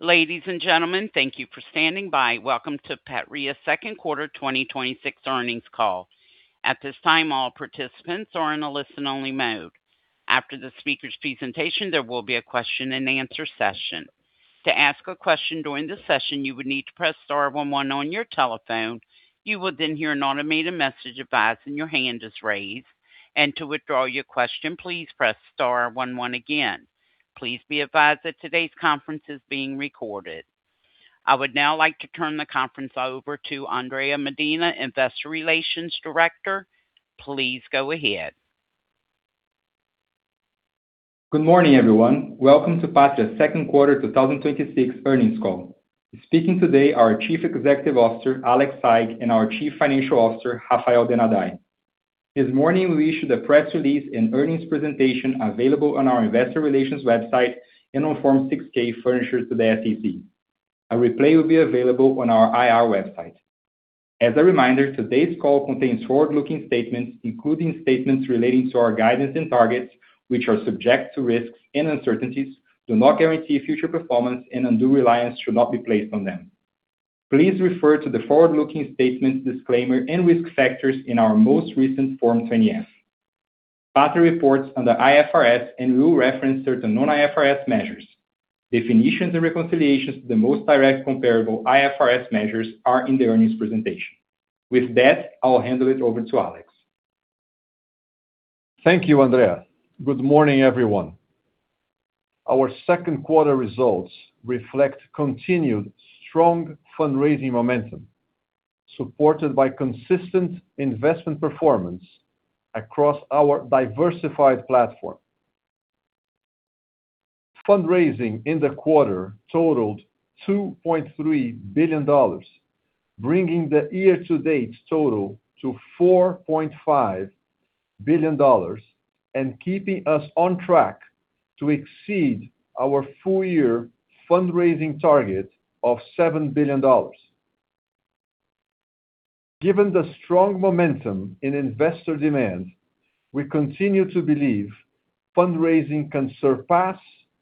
Ladies and gentlemen, thank you for standing by. Welcome to Patria's second quarter 2026 earnings call. At this time, all participants are in a listen-only mode. After the speaker's presentation, there will be a question and answer session. To ask a question during the session, you would need to press star one one on your telephone. You will then hear an automated message advising your hand is raised. To withdraw your question, please press star one one again. Please be advised that today's conference is being recorded. I would now like to turn the conference over to Andre Medina, Investor Relations Director. Please go ahead. Good morning, everyone. Welcome to Patria's second quarter 2026 earnings call. Speaking today are our Chief Executive Officer, Alex Saigh, and our Chief Financial Officer, Raphael Denadai. This morning, we issued a press release and earnings presentation available on our investor relations website and on Form 6-K, furnished to the SEC. A replay will be available on our IR website. As a reminder, today's call contains forward-looking statements, including statements relating to our guidance and targets, which are subject to risks and uncertainties, do not guarantee future performance, and undue reliance should not be placed on them. Please refer to the forward-looking statements disclaimer and risk factors in our most recent Form 20-F. Patria reports on the IFRS and will reference certain non-IFRS measures. Definitions and reconciliations to the most direct comparable IFRS measures are in the earnings presentation. With that, I'll hand it over to Alex. Thank you, Andre. Good morning, everyone. Our second quarter results reflect continued strong fundraising momentum, supported by consistent investment performance across our diversified platform. Fundraising in the quarter totaled $2.3 billion, bringing the year-to-date total to $4.5 billion and keeping us on track to exceed our full-year fundraising target of $7 billion. Given the strong momentum in investor demand, we continue to believe fundraising can surpass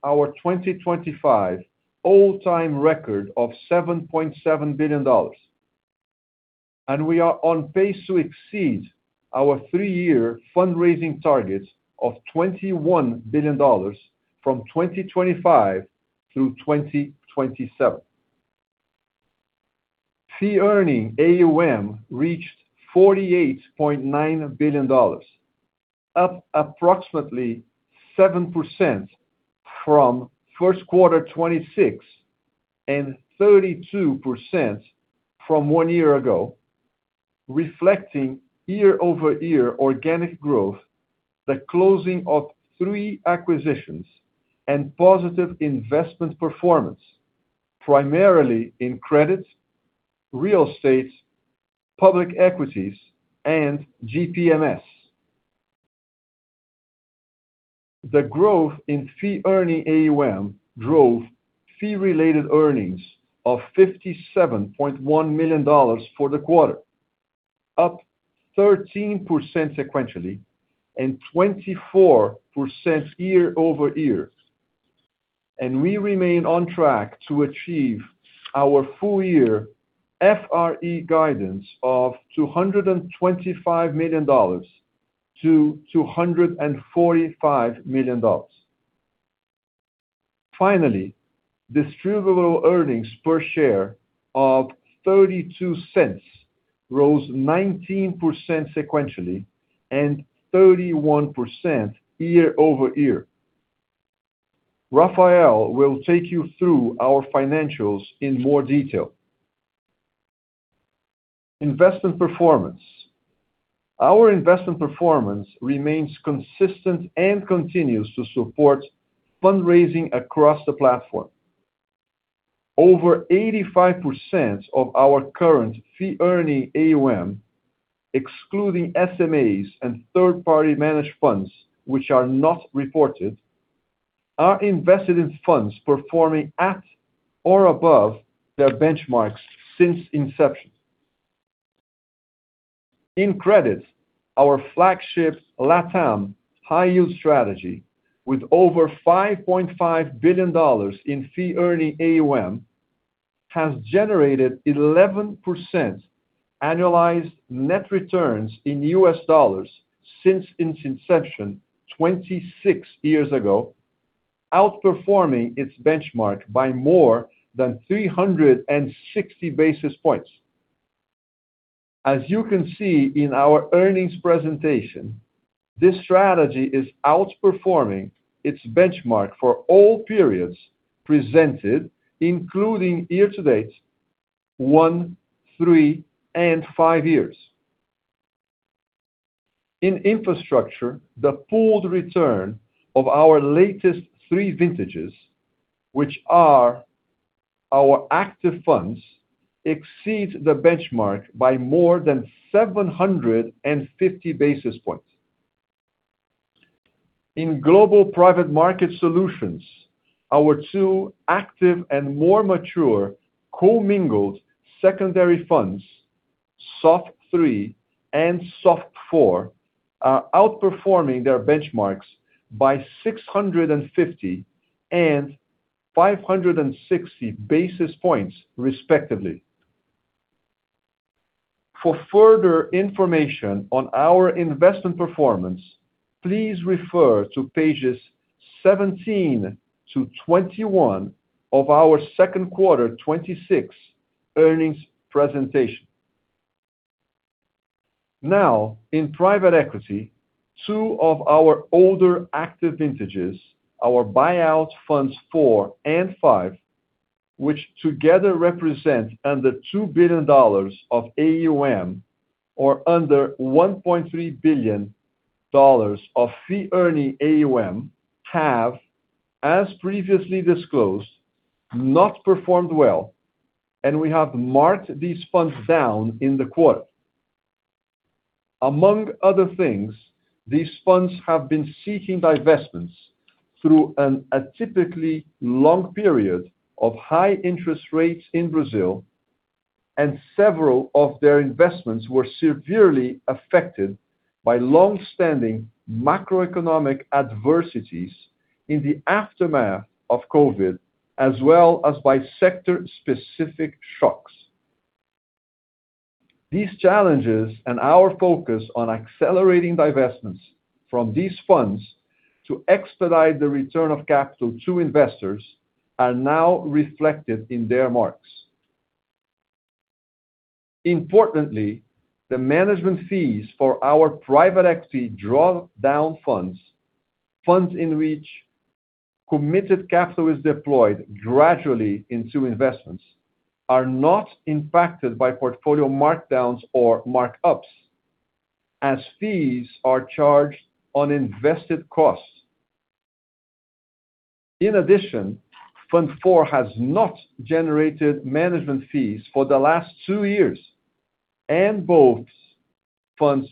our 2025 all-time record of $7.7 billion. We are on pace to exceed our three-year fundraising targets of $21 billion from 2025 through 2027. Fee-earning AUM reached $48.9 billion, up approximately 7% from first quarter 2026 and 32% from one year ago, reflecting year-over-year organic growth, the closing of three acquisitions, and positive investment performance, primarily in credit, real estate, public equities, and GPMS. The growth in Fee-earning AUM drove Fee Related Earnings of $57.1 million for the quarter, up 13% sequentially and 24% year-over-year. We remain on track to achieve our full-year FRE guidance of $225 million to $245 million. Finally, Distributable Earnings per share of $0.32 rose 19% sequentially and 31% year-over-year. Raphael will take you through our financials in more detail. Investment performance. Our investment performance remains consistent and continues to support fundraising across the platform. Over 85% of our current Fee-earning AUM, excluding SMAs and third-party managed funds, which are not reported, are invested in funds performing at or above their benchmarks since inception. In credit, our flagship LatAm high-yield strategy with over $5.5 billion in fee-earning AUM, has generated 11% annualized net returns in US dollars since its inception 26 years ago, outperforming its benchmark by more than 360 basis points. As you can see in our earnings presentation, this strategy is outperforming its benchmark for all periods presented, including year-to-date, one, three, and five years. In infrastructure, the pooled return of our latest three vintages, which are our active funds, exceeds the benchmark by more than 750 basis points. In Global Private Market Solutions, our two active and more mature co-mingled secondary funds SOF III and SOF IV are outperforming their benchmarks by 650 and 560 basis points, respectively. For further information on our investment performance, please refer to pages 17 to 21 of our second quarter 2026 earnings presentation. In private equity, two of our older active vintages, our buyout Funds 4 and 5, which together represent under $2 billion of AUM or under $1.3 billion of fee earning AUM have, as previously disclosed, not performed well, and we have marked these funds down in the quarter. Among other things, these funds have been seeking divestments through an atypically long period of high interest rates in Brazil, and several of their investments were severely affected by longstanding macroeconomic adversities in the aftermath of COVID, as well as by sector-specific shocks. These challenges and our focus on accelerating divestments from these funds to expedite the return of capital to investors are now reflected in their marks. Importantly, the management fees for our private equity drawdown funds in which committed capital is deployed gradually into investments, are not impacted by portfolio markdowns or markups, as fees are charged on invested costs. In addition, Fund IV has not generated management fees for the last two years, and both Funds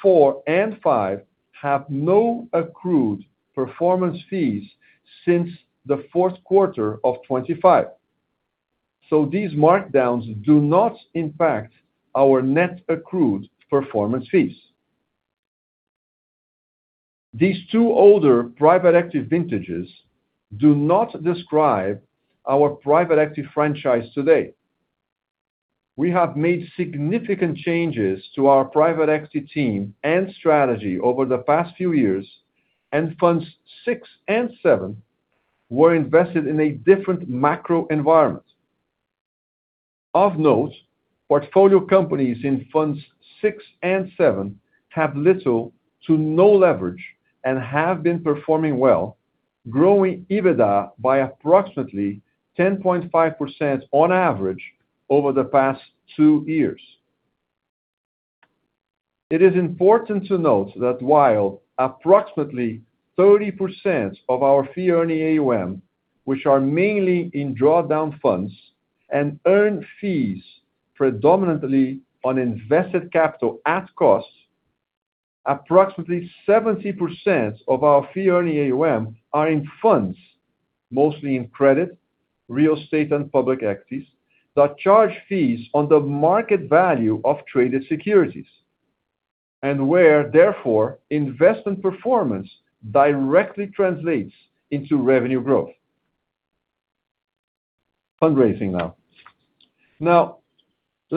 4 and 5 have no accrued performance fees since the fourth quarter of 2025. These markdowns do not impact our net accrued performance fees. These two older private equity vintages do not describe our private equity franchise today. We have made significant changes to our private equity team and strategy over the past few years, and Funds 6 and 7 were invested in a different macro environment. Of note, portfolio companies in Funds 6 and 7 have little to no leverage and have been performing well, growing EBITDA by approximately 10.5% on average over the past two years. It is important to note that while approximately 30% of our fee earning AUM, which are mainly in drawdown funds and earn fees predominantly on invested capital at cost, approximately 70% of our fee earning AUM are in funds, mostly in credit, real estate and public equities, that charge fees on the market value of traded securities, and where, therefore, investment performance directly translates into revenue growth. Fundraising now.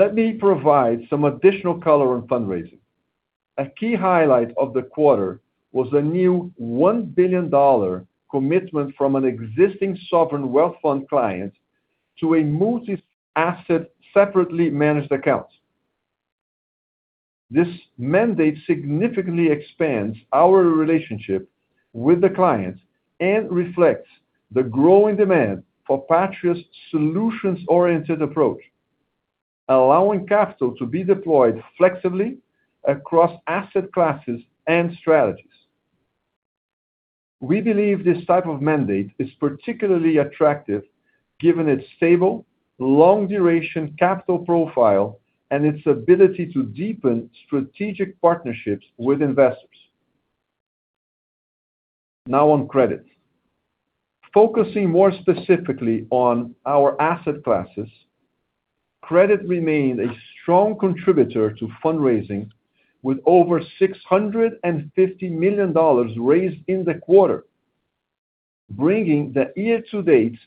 Let me provide some additional color on fundraising. A key highlight of the quarter was a new $1 billion commitment from an existing sovereign wealth fund client to a multi-asset separately managed account. This mandate significantly expands our relationship with the client and reflects the growing demand for Patria's solutions-oriented approach, allowing capital to be deployed flexibly across asset classes and strategies. We believe this type of mandate is particularly attractive given its stable, long-duration capital profile and its ability to deepen strategic partnerships with investors. Now on credit. Focusing more specifically on our asset classes, credit remained a strong contributor to fundraising with over $650 million raised in the quarter, bringing the year-to-date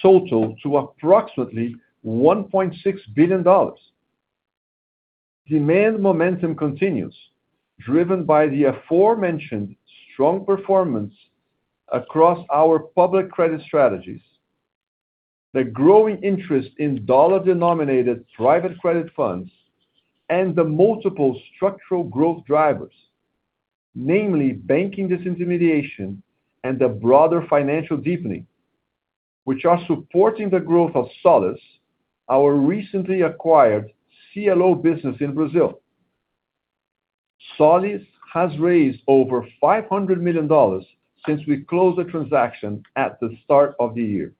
total to approximately $1.6 billion. Demand momentum continues, driven by the aforementioned strong performance across our public credit strategies. The growing interest in dollar-denominated private credit funds and the multiple structural growth drivers, namely banking disintermediation and the broader financial deepening, which are supporting the growth of Solis, our recently acquired CLO business in Brazil. Solis has raised over $500 million since we closed the transaction at the start of the year.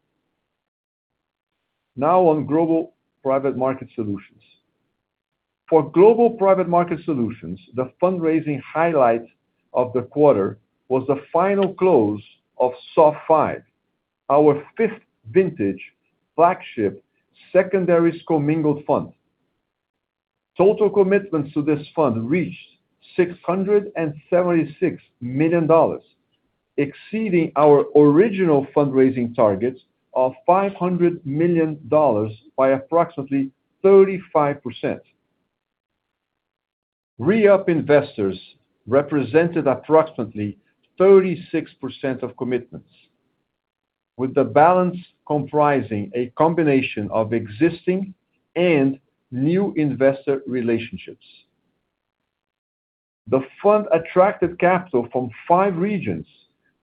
Now on Global Private Market Solutions. For Global Private Market Solutions, the fundraising highlight of the quarter was the final close of SOF V, our fifth vintage flagship secondaries commingled fund. Total commitments to this fund reached $676 million, exceeding our original fundraising target of $500 million by approximately 35%. Re-up investors represented approximately 36% of commitments, with the balance comprising a combination of existing and new investor relationships. The fund attracted capital from five regions,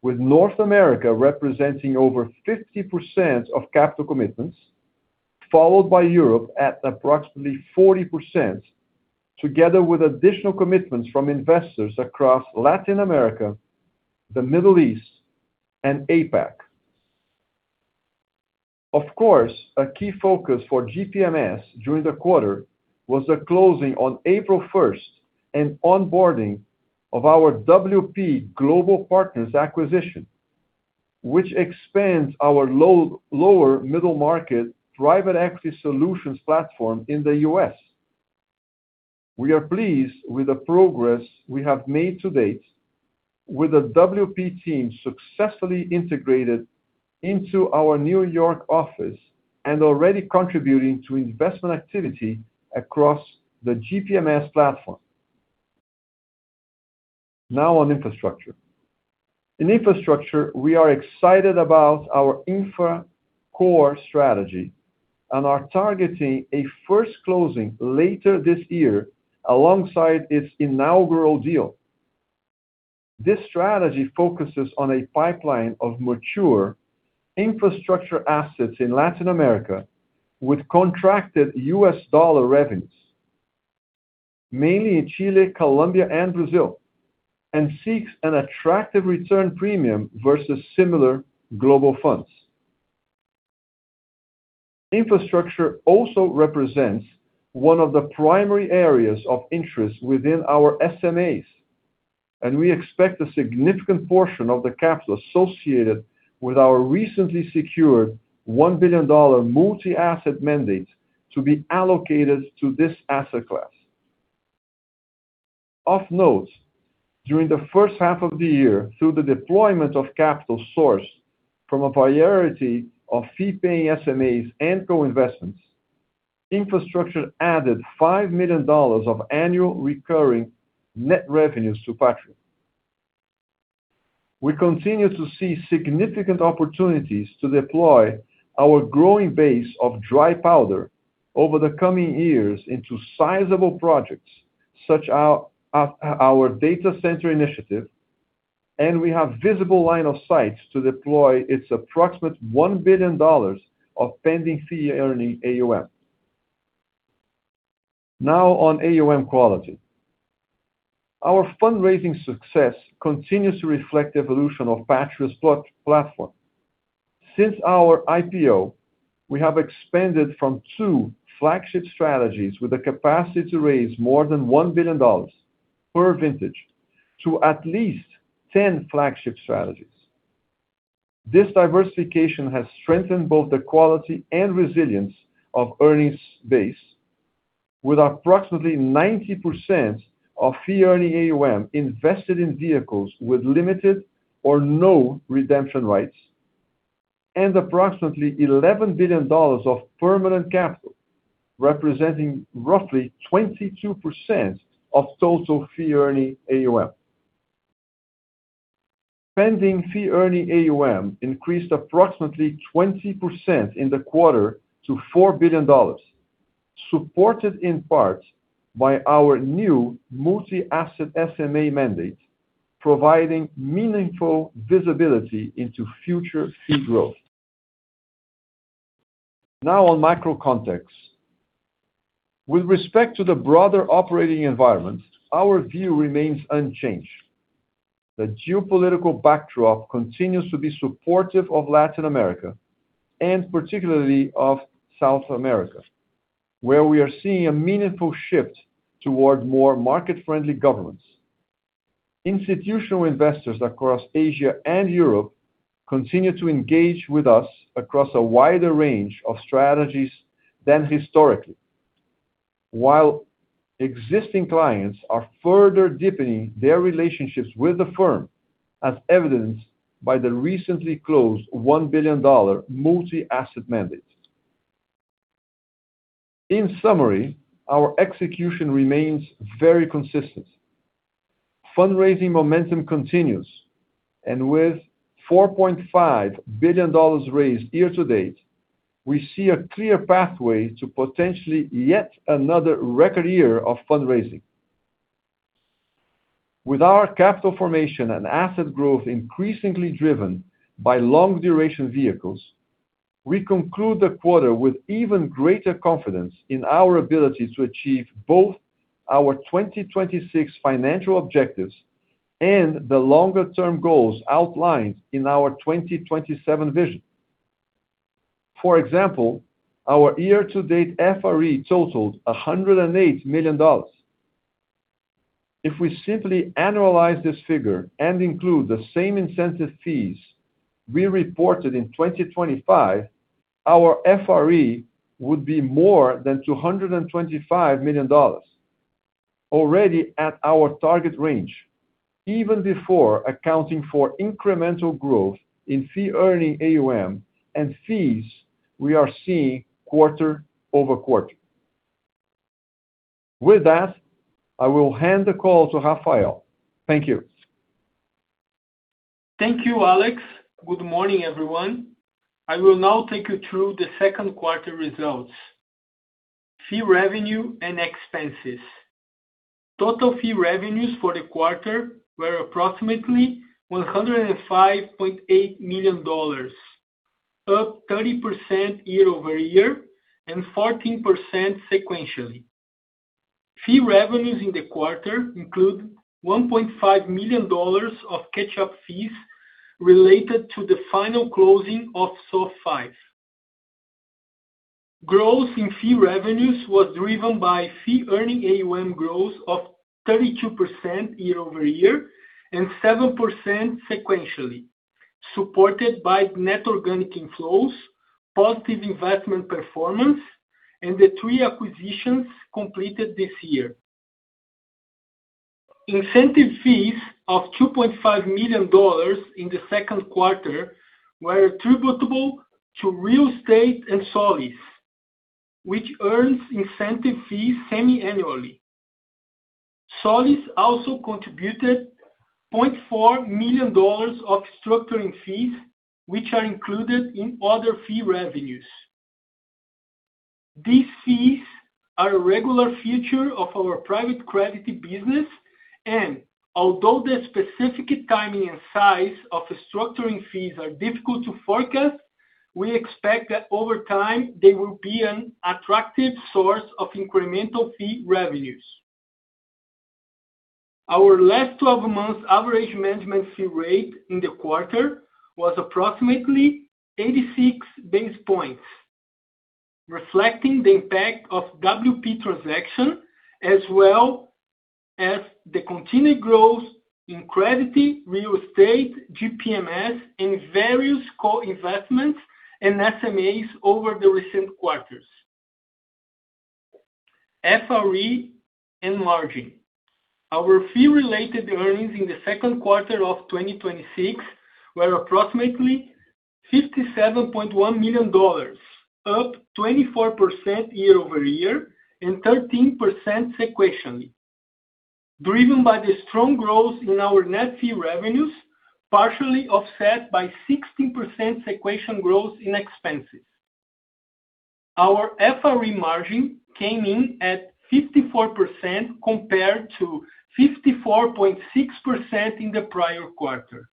with North America representing over 50% of capital commitments, followed by Europe at approximately 40%, together with additional commitments from investors across Latin America, the Middle East, and APAC. Of course, a key focus for GPMS during the quarter was the closing on April 1st and onboarding of our WP Global Partners acquisition, which expands our lower middle-market private equity solutions platform in the U.S. We are pleased with the progress we have made to date with the WP team successfully integrated into our New York office and already contributing to investment activity across the GPMS platform. Now on infrastructure. In infrastructure, we are excited about our Infra Core strategy and are targeting a first closing later this year alongside its inaugural deal. This strategy focuses on a pipeline of mature infrastructure assets in Latin America with contracted U.S. dollar revenues, mainly in Chile, Colombia, and Brazil, and seeks an attractive return premium versus similar global funds. Infrastructure also represents one of the primary areas of interest within our SMAs; we expect a significant portion of the capital associated with our recently secured $1 billion multi-asset mandate to be allocated to this asset class. Of note, during the first half of the year, through the deployment of capital sourced from a variety of fee-paying SMAs and co-investments, infrastructure added $5 million of annual recurring net revenues to Patria. We continue to see significant opportunities to deploy our growing base of dry powder over the coming years into sizable projects, such as our data center initiative; we have visible line of sight to deploy its approximate $1 billion of pending fee-earning AUM. Now on AUM quality. Our fundraising success continues to reflect the evolution of Patria's platform. Since our IPO, we have expanded from two flagship strategies with the capacity to raise more than $1 billion per vintage to at least 10 flagship strategies. This diversification has strengthened both the quality and resilience of earnings base with approximately 90% of fee-earning AUM invested in vehicles with limited or no redemption rights and approximately $11 billion of permanent capital, representing roughly 22% of total fee-earning AUM. Pending fee-earning AUM increased approximately 20% in the quarter to $4 billion, supported in part by our new multi-asset SMA mandate, providing meaningful visibility into future fee growth. Now on macro context. With respect to the broader operating environment, our view remains unchanged. The geopolitical backdrop continues to be supportive of Latin America, and particularly of South America, where we are seeing a meaningful shift toward more market-friendly governments. Institutional investors across Asia and Europe continue to engage with us across a wider range of strategies than historically. While existing clients are further deepening their relationships with the firm, as evidenced by the recently closed $1 billion multi-asset mandate. In summary, our execution remains very consistent. Fundraising momentum continues, and with $4.5 billion raised year-to-date, we see a clear pathway to potentially yet another record year of fundraising. With our capital formation and asset growth increasingly driven by long-duration vehicles, we conclude the quarter with even greater confidence in our ability to achieve both our 2026 financial objectives and the longer-term goals outlined in our 2027 vision. For example, our year-to-date FRE totaled $108 million. If we simply annualize this figure and include the same incentive fees we reported in 2025, our FRE would be more than $225 million. Already at our target range, even before accounting for incremental growth in fee-earning AUM and fees we are seeing quarter-over-quarter. With that, I will hand the call to Raphael. Thank you. Thank you, Alex. Good morning, everyone. I will now take you through the second quarter results. Fee revenue and expenses. Total fee revenues for the quarter were approximately $105.8 million, up 30% year-over-year and 14% sequentially. Fee revenues in the quarter include $1.5 million of catch-up fees related to the final closing of SOF V. Growth in fee revenues was driven by fee-earning AUM growth of 32% year-over-year and 7% sequentially, supported by net organic inflows, positive investment performance, and the three acquisitions completed this year. Incentive fees of $2.5 million in the second quarter were attributable to real estate and Solis, which earns incentive fees semiannually. Solis also contributed $0.4 million of structuring fees, which are included in other fee revenues. These fees are a regular feature of our private credit business, and although the specific timing and size of the structuring fees are difficult to forecast, we expect that over time, they will be an attractive source of incremental fee revenues. Our last 12 months average management fee rate in the quarter was approximately 86 basis points, reflecting the impact of WP transaction as well as the continued growth in credit, real estate, GPMS, and various co-investments and SMAs over the recent quarters. FRE and margin. Our fee-related earnings in the second quarter of 2026 were approximately $57.1 million, up 24% year-over-year and 13% sequentially, driven by the strong growth in our net fee revenues, partially offset by 16% sequential growth in expenses. Our FRE margin came in at 54% compared to 54.6% in the prior quarter.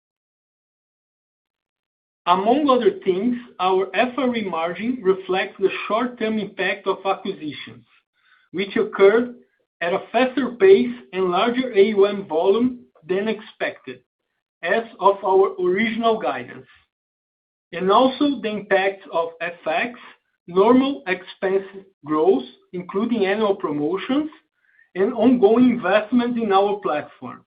Among other things, our FRE margin reflects the short-term impact of acquisitions, which occurred at a faster pace and larger AUM volume than expected as of our original guidance. Also, the impact of FX, normal expense growth, including annual promotions and ongoing investment in our platform.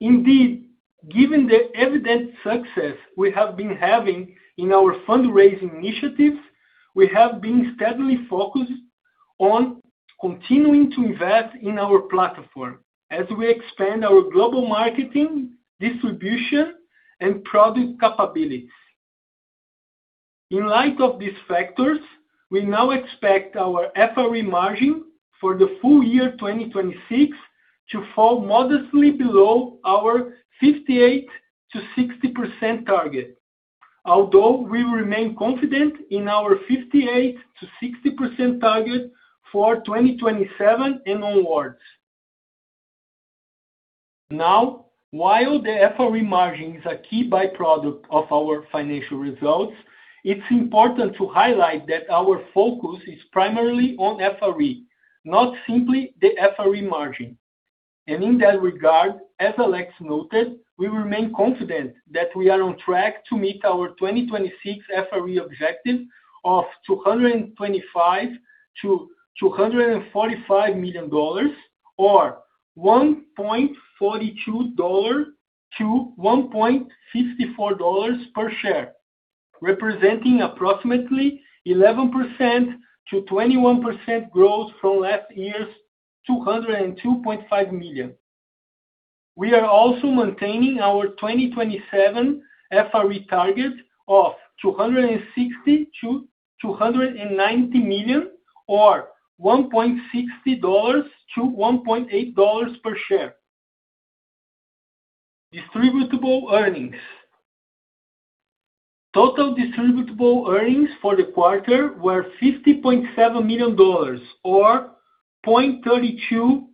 Indeed, given the evident success we have been having in our fundraising initiatives, we have been steadily focused on continuing to invest in our platform as we expand our global marketing, distribution, and product capabilities. In light of these factors, we now expect our FRE margin for the full year 2026 to fall modestly below our 58%-60% target. Although we remain confident in our 58%-60% target for 2027 and onwards. While the FRE margin is a key byproduct of our financial results, it's important to highlight that our focus is primarily on FRE, not simply the FRE margin. In that regard, as Alex noted, we remain confident that we are on track to meet our 2026 FRE objective of $225 million-$245 million, or $1.42-$1.54 per share, representing approximately 11%-21% growth from last year's $202.5 million. We are also maintaining our 2027 FRE target of $260 million-$290 million, or $1.60-$1.80 per share. Distributable earnings. Total distributable earnings for the quarter were $50.7 million, or $0.32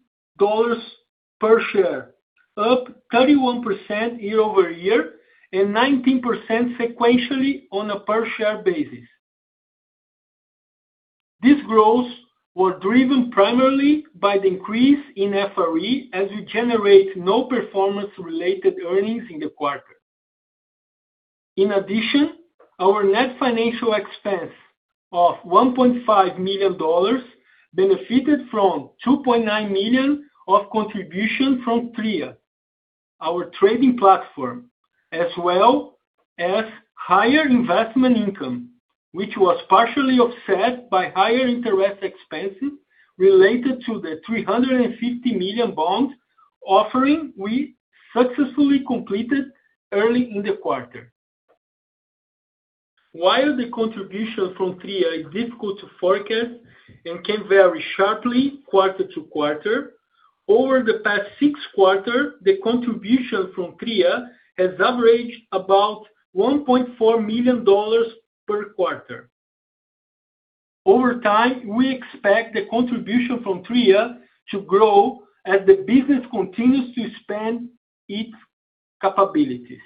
per share, up 31% year-over-year and 19% sequentially on a per share basis. This growth was driven primarily by the increase in FRE as we generate no performance related earnings in the quarter. In addition, our net financial expense of $1.5 million benefited from $2.9 million of contribution from Patria, our trading platform, as well as higher investment income, which was partially offset by higher interest expenses related to the $350 million bond offering we successfully completed early in the quarter. While the contribution from Patria is difficult to forecast and can vary sharply quarter to quarter, over the past six quarters, the contribution from Patria has averaged about $1.4 million per quarter. Over time, we expect the contribution from Patria to grow as the business continues to expand its capabilities.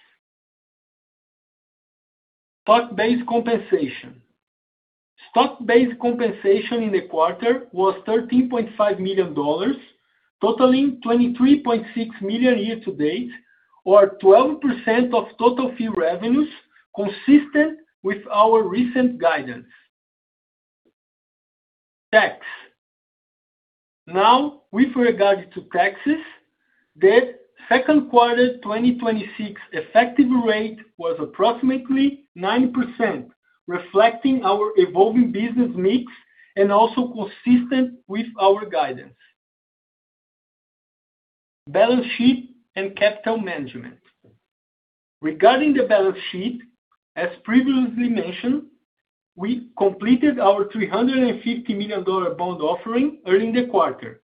Stock-based compensation. Stock-based compensation in the quarter was $13.5 million, totaling $23.6 million year-to-date, or 12% of total fee revenues, consistent with our recent guidance. Tax. With regard to taxes, the second quarter 2026 effective rate was approximately 9%, reflecting our evolving business mix and also consistent with our guidance. Balance sheet and capital management. Regarding the balance sheet, as previously mentioned, we completed our $350 million bond offering early in the quarter,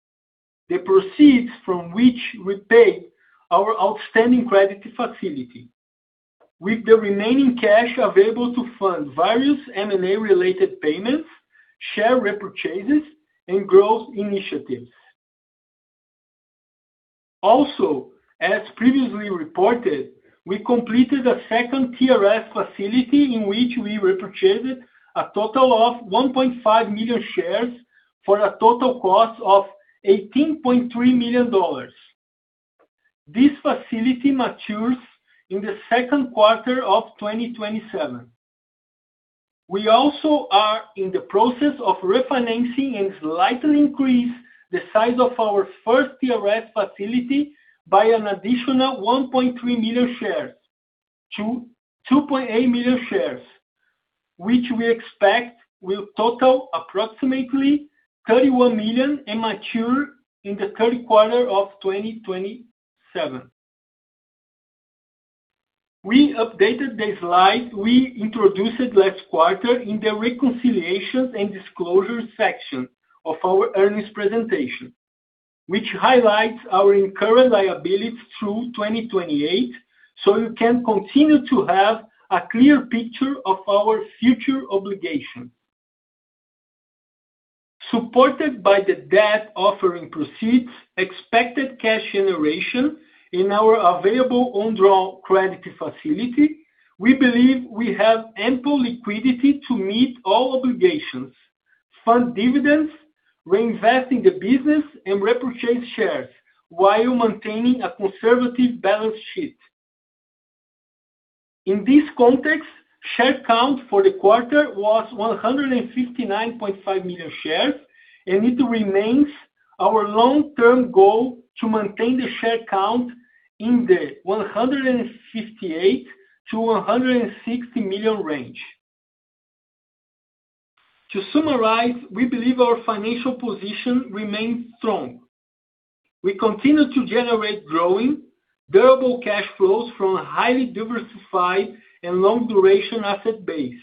the proceeds from which we paid our outstanding credit facility, with the remaining cash available to fund various M&A related payments, share repurchases, and growth initiatives. Also, as previously reported, we completed a second TRS facility in which we repurchased a total of 1.5 million shares for a total cost of $18.3 million. This facility matures in the second quarter of 2027. We also are in the process of refinancing and slightly increase the size of our first TRS facility by an additional 1.3 million shares to 2.8 million shares, which we expect will total approximately $31 million and mature in the third quarter of 2027. We updated the slide we introduced last quarter in the reconciliations and disclosures section of our earnings presentation, which highlights our incurred liability through 2028, so you can continue to have a clear picture of our future obligations. Supported by the debt offering proceeds, expected cash generation in our available on-draw credit facility, we believe we have ample liquidity to meet all obligations, fund dividends, reinvest in the business, and repurchase shares, while maintaining a conservative balance sheet. In this context, share count for the quarter was 159.5 million shares, and it remains our long-term goal to maintain the share count in the 158 million-160 million range. To summarize, we believe our financial position remains strong. We continue to generate growing, durable cash flows from a highly diversified and long-duration asset base.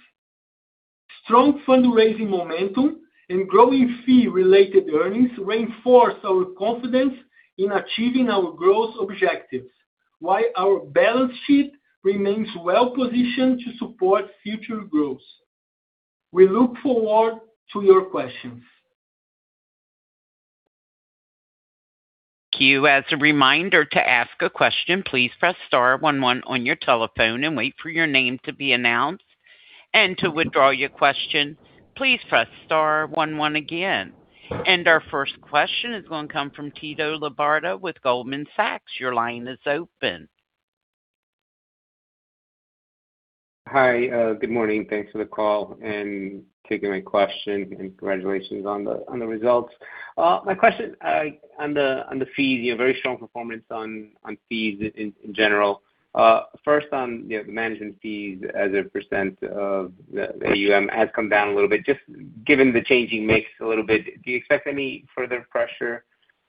Strong fundraising momentum and growing fee-related earnings reinforce our confidence in achieving our growth objectives, while our balance sheet remains well-positioned to support future growth. We look forward to your questions. As a reminder to ask a question, please press star one one on your telephone and wait for your name to be announced. To withdraw your question, please press star one one again. Our first question is going to come from Tito Labarta with Goldman Sachs. Your line is open. Hi. Good morning. Thanks for the call and taking my question, and congratulations on the results. My question on the fees, very strong performance on fees in general. First on, the management fees as a percent of the AUM has come down a little bit. Given the changing mix a little bit, do you expect any further pressure on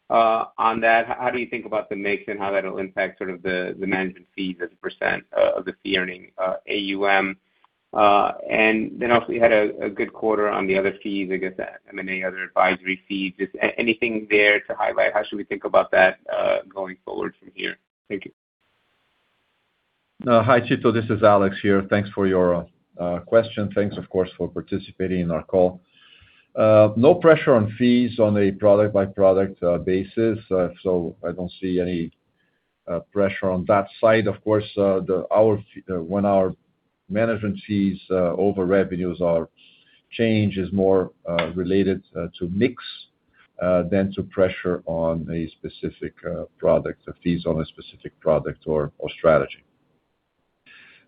that? How do you think about the mix and how that'll impact sort of the management fees as a percent of the fee earning AUM? You had a good quarter on the other fees, I guess M&A, other advisory fees. Anything there to highlight? How should we think about that going forward from here? Thank you. Hi, Tito. This is Alex here. Thanks for your question. Thanks, of course, for participating in our call. No pressure on fees on a product-by-product basis, I don't see any pressure on that side. Of course, when our management fees over revenues are change is more related to mix to pressure on a specific product, the fees on a specific product or strategy.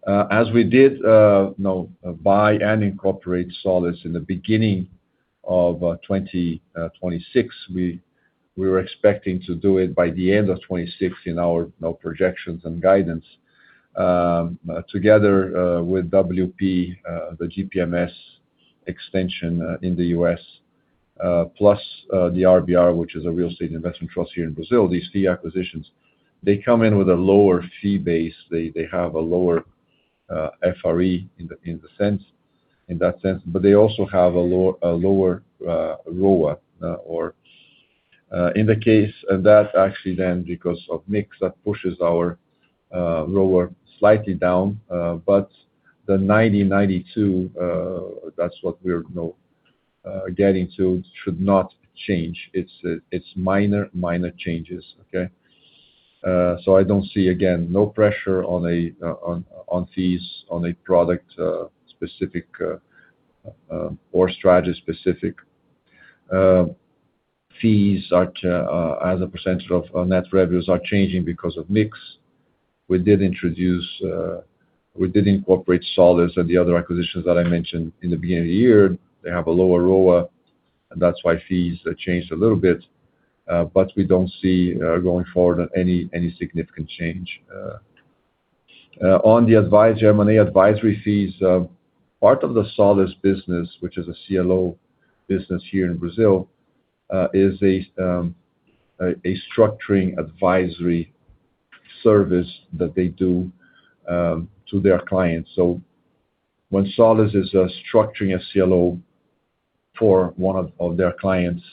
As we did buy and incorporate Solis in the beginning of 2026, we were expecting to do it by the end of 2026; our projections and guidance, together with WP, the GPMS extension in the U.S., plus the RBR, which is a real estate investment trust here in Brazil. These three acquisitions, they come in with a lower fee base. They have a lower FRE in that sense, they also have a lower ROA. In the case, that actually because of mix, that pushes our ROA slightly down. The 90/92, that's what we're getting to, should not change. It's minor changes. Okay? I don't see, again, no pressure on fees on a product-specific or strategy-specific. Fees, as a % of our net revenues, are changing because of mix. We did incorporate Solis and the other acquisitions that I mentioned in the beginning of the year. They have a lower ROA; that's why fees changed a little bit. We don't see, going forward, any significant change. On the M&A advisory fees, part of the Solis business, which is a CLO business here in Brazil, is a structuring advisory service that they do to their clients. When Solis is structuring a CLO for one of their clients,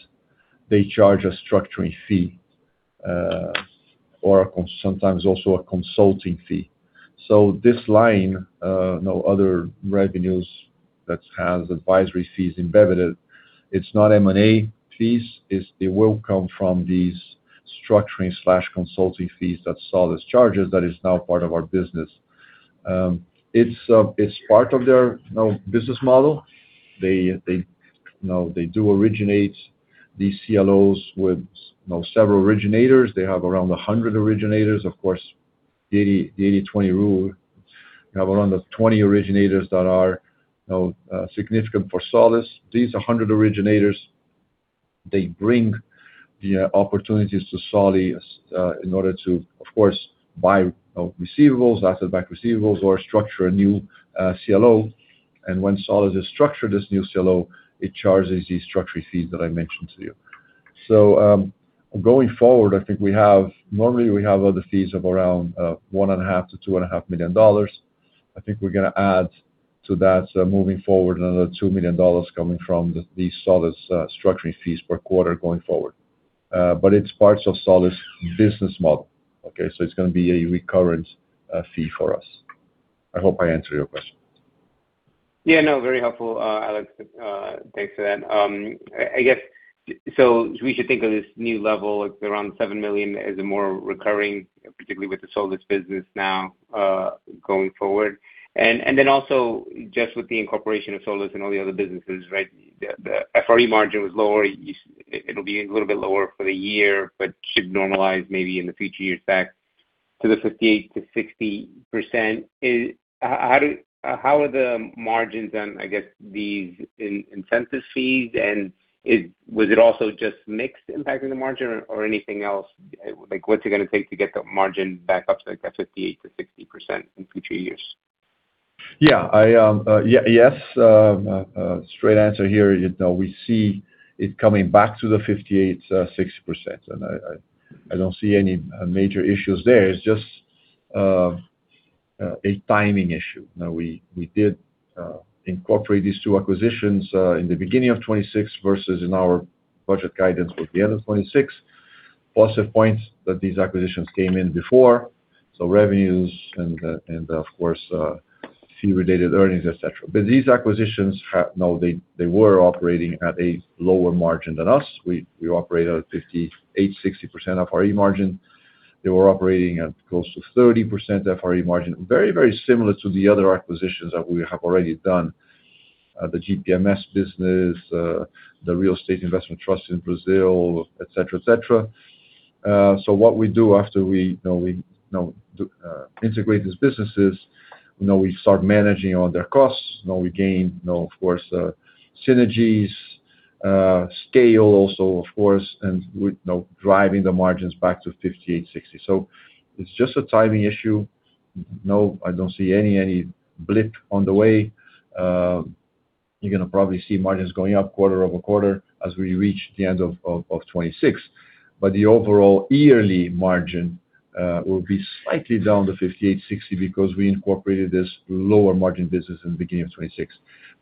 they charge a structuring fee, or sometimes also a consulting fee. This line, other revenues that has advisory fees embedded, it's not M&A fees. It will come from these structuring/consulting fees that Solis charges that is now part of our business. It's part of their business model. They do originate these CLOs with several originators. They have around 100 originators. Of course, the 80/20 rule. They have around the 20 originators that are significant for Solis. These 100 originators, they bring the opportunities to Solis in order to, of course, buy receivables, asset-backed receivables, or structure a new CLO. When Solis has structured this new CLO, it charges these structuring fees that I mentioned to you. Going forward, I think normally we have other fees of around $1.5 million-$2.5 million. I think we're going to add to that, moving forward, another $2 million coming from these Solis structuring fees per quarter going forward. It's part of Solis' business model. Okay. It's going to be a recurrent fee for us. I hope I answered your question. Very helpful, Alex. Thanks for that. I guess we should think of this new level, around $7 million, as a more recurring, particularly with the Solis business now, going forward. Also just with the incorporation of Solis and all the other businesses, the FRE margin was lower. It'll be a little bit lower for the year, but should normalize maybe in the future years back to the 58%-60%. How are the margins on, I guess, these incentive fees, and was it also just mix impacting the margin or anything else? What's it going to take to get the margin back up to that 58%-60% in future years? Yes. Straight answer here. We see it coming back to the 58%-60%. I don't see any major issues there. It's just a timing issue. We did incorporate these two acquisitions in the beginning of 2026 versus in our budget guidance at the end of 2026. Positive points that these acquisitions came in before, so revenues and of course, fee-related earnings, et cetera. These acquisitions, they were operating at a lower margin than us. We operate at a 58%-60% FRE margin. They were operating at close to 30% FRE margin. Very similar to the other acquisitions that we have already done, the GPMS business, the real estate investment trust in Brazil, et cetera. What we do after we integrate these businesses, we start managing all their costs. We gain, of course, synergies, scale also, of course, and we're driving the margins back to 58%-60%. It's just a timing issue. I don't see any blip on the way. You're going to probably see margins going up quarter-over-quarter as we reach the end of 2026. The overall yearly margin will be slightly down to 58%-60% because we incorporated this lower-margin business in the beginning of 2026.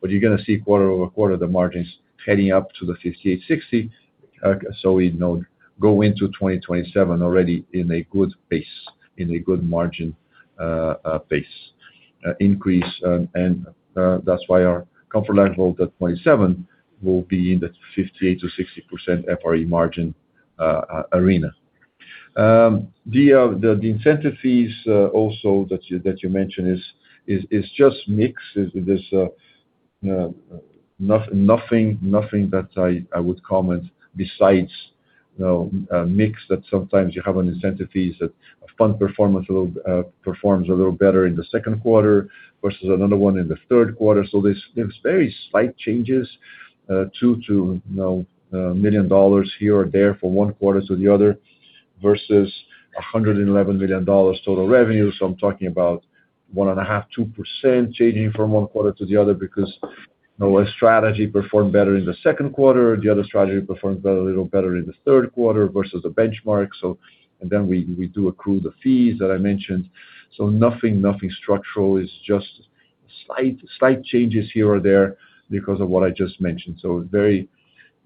You're going to see quarter-over-quarter the margins heading up to the 58%-60%. We go into 2027 already in a good pace, in a good margin pace increase. That's why our comfort level at 2027 will be in the 58%-60% FRE margin arena. The incentive fees also that you mentioned is just mix. There's nothing that I would comment besides a mix that sometimes you have an incentive fees that a fund performs a little better in the second quarter versus another one in the third quarter. There's very slight changes, $2 million here or there from one quarter to the other, versus $111 million total revenue. I'm talking about 1.5%-2% changing from one quarter to the other because a strategy performed better in the second quarter, the other strategy performed a little better in the third quarter versus the benchmark. Then we do accrue the fees that I mentioned. Nothing structural, it's just slight changes here or there because of what I just mentioned.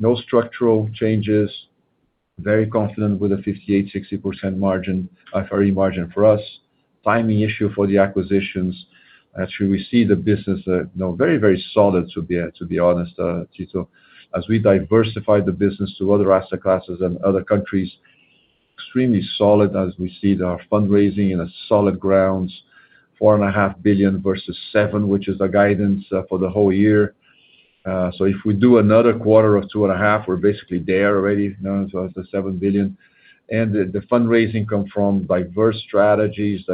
No structural changes, very confident with the 58%-60% FRE margin for us. Timing issue for the acquisitions as we see the business very solid, to be honest, Tito. As we diversify the business to other asset classes and other countries, extremely solid as we see our fundraising in a solid grounds, $4.5 billion versus 7, which is the guidance for the whole year. If we do another quarter of 2.5, we're basically there already as well, the $7 billion. The fundraising come from diverse strategies,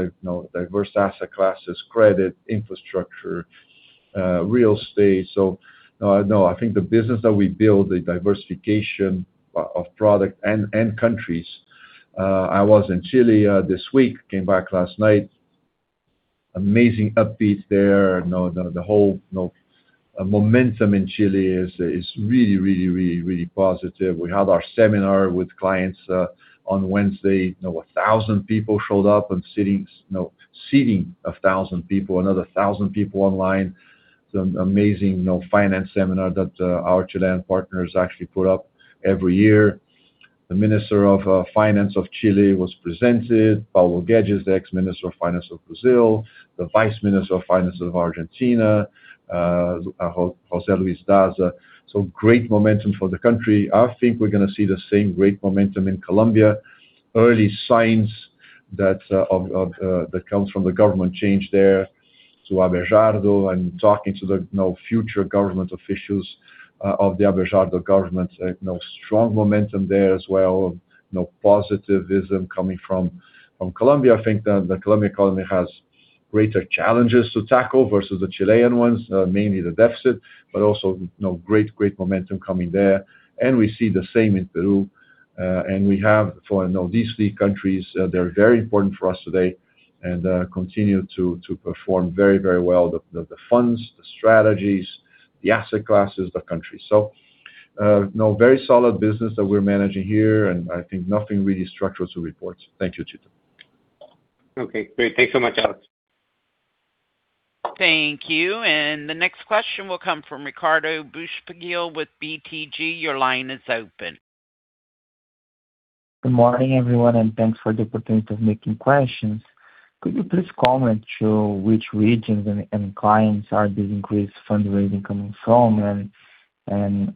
diverse asset classes, credit, infrastructure, real estate. I think the business that we build, the diversification of product and countries. I was in Chile this week, came back last night. Amazing upbeat there. The whole momentum in Chile is really positive. We had our seminar with clients on Wednesday. 1,000 people showed up and seating 1,000 people, another 1,000 people online. Some amazing finance seminar that our Chilean partners actually put up every year. The Minister of Finance of Chile was presented. Paulo Guedes, the ex-Minister of Finance of Brazil, the Vice Minister of Finance of Argentina, José Luis Daza. Great momentum for the country. I think we're going to see the same great momentum in Colombia. Early signs that comes from the government change there to Abelardo and talking to the future government officials of the Abelardo government. Strong momentum there as well. Positivism coming from Colombia. I think that the Colombian economy has greater challenges to tackle versus the Chilean ones, mainly the deficit, but also great momentum coming there. We see the same in Peru. We have for these three countries, they're very important for us today and continue to perform very well. The funds, the strategies, the asset classes, the countries. Very solid business that we're managing here, and I think nothing really structural to report. Thank you, Tito. Okay, great. Thanks so much, Alex. Thank you. The next question will come from Ricardo Buchpiguel with BTG. Your line is open. Good morning, everyone. Thanks for the opportunity of making questions. Could you please comment to which regions and clients are these increased fundraising coming from?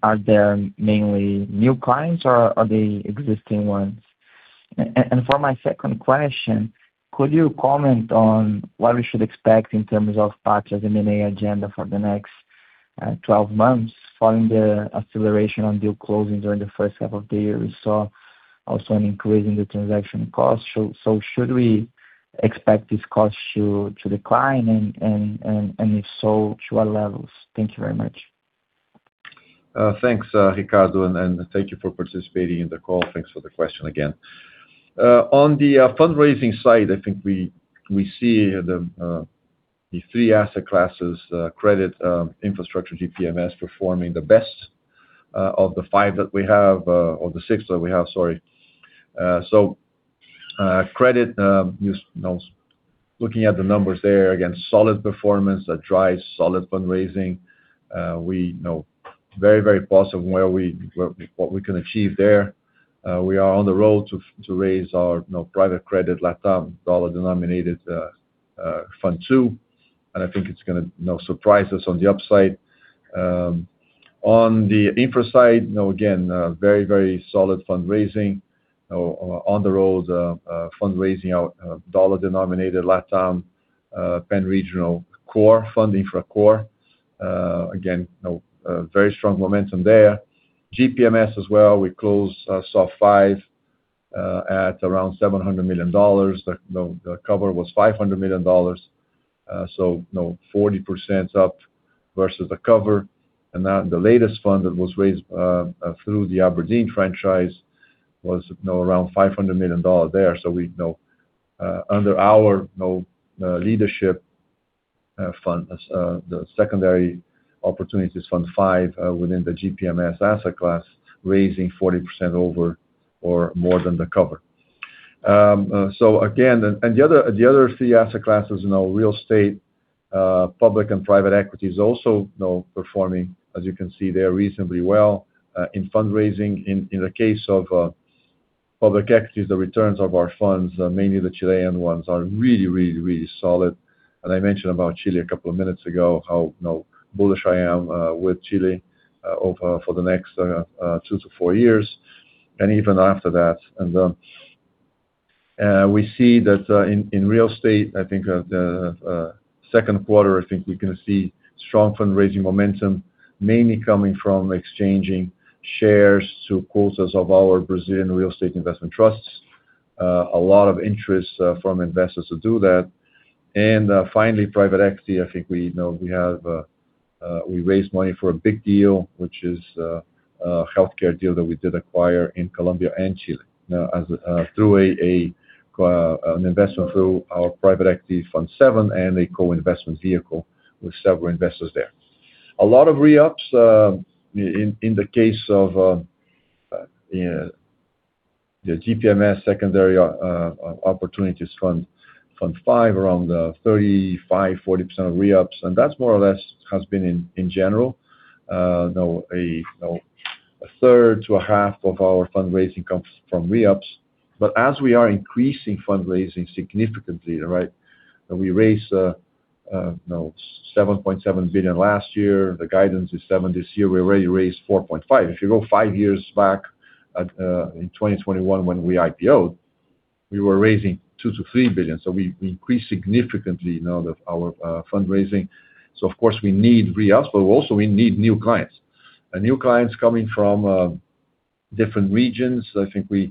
Are they mainly new clients or are they existing ones? For my second question, could you comment on what we should expect in terms of Patria's M&A agenda for the next 12 months following the acceleration on deal closing during the first half of the year? We saw also an increase in the transaction cost. Should we expect this cost to decline and if so, to what levels? Thank you very much. Thanks, Ricardo, thank you for participating in the call. Thanks for the question again. On the fundraising side, I think we see the three asset classes, credit, infrastructure, GPMS, performing the best of the five that we have, or the six that we have, sorry. Credit, looking at the numbers there, again, solid performance that drives solid fundraising. We know very positive what we can achieve there. We are on the road to raise our private credit LATAM dollar-denominated fund two, and I think it's going to surprise us on the upside. On the infra side, again, very solid fundraising. On the road, fundraising our dollar-denominated LATAM pan-regional core fund Infra Core. Again, very strong momentum there. GPMS as well. We closed SOF V at around $700 million. The cover was $500 million—40% up versus the cover. The latest fund that was raised through the Aberdeen franchise was around $500 million there. Under our leadership fund, the secondary opportunities fund V within the GPMS asset class, raising 40% over or more than the cover. The other three asset classes, real estate, public and private equity is also performing, as you can see there, reasonably well in fundraising. In the case of public equities, the returns of our funds, mainly the Chilean ones, are really solid. I mentioned about Chile a couple of minutes ago, how bullish I am with Chile for the next two to four years, and even after that. We see that in real estate, I think the second quarter, I think we're going to see strong fundraising momentum, mainly coming from exchanging shares to quotas of our Brazilian real estate investment trusts. A lot of interest from investors to do that. Finally, private equity. I think we know we raised money for a big deal, which is a healthcare deal that we did acquire in Colombia and Chile, through an investment through our Private Equity Fund VII and a co-investment vehicle with several investors there. A lot of re-ups in the case of the GPMS secondary opportunities fund, Fund V, around 35%-40% of re-ups. That's more or less has been in general: a third to a half of our fundraising comes from re-ups. As we are increasing fundraising significantly, right? We raised $7.7 billion last year. The guidance is $7 billion this year. We already raised $4.5 billion. If you go five years back, in 2021, when we IPO'd, we were raising $2 billion-$3 billion. We increased significantly now that our fundraising. Of course we need re-ups, but also we need new clients. New clients coming from different regions. I think with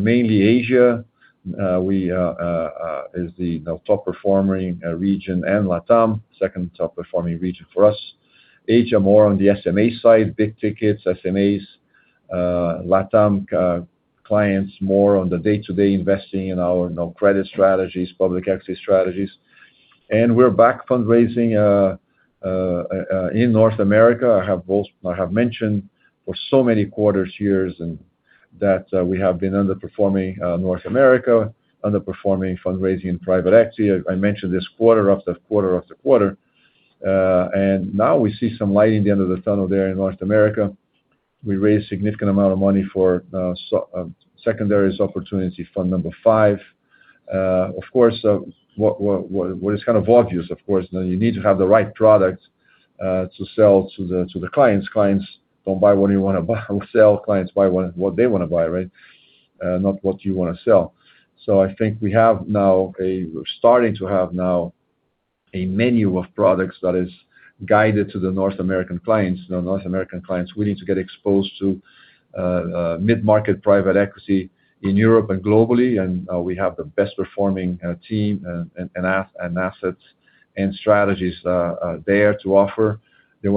mainly Asia, is the top-performing region and LATAM, second top-performing region for us. Asia more on the SMA side, big tickets, SMAs. LATAM clients more on the day-to-day investing in our credit strategies, public equity strategies. We're back fundraising in North America. I have mentioned for so many quarters, years, that we have been underperforming North America, underperforming fundraising in private equity. I mentioned this quarter after quarter after quarter. Now we see some light in the end of the tunnel there in North America. We raised significant amount of money for Secondary Opportunities Fund V. Of course, what is kind of obvious, of course, you need to have the right product to sell to the clients. Clients don't buy what you want to sell. Clients buy what they want to buy, right? Not what you want to sell. I think we're starting to have now a menu of products that is guided to the North American clients. North American clients waiting to get exposed to mid-market private equity in Europe and globally, and we have the best-performing team and assets and strategies there to offer. They're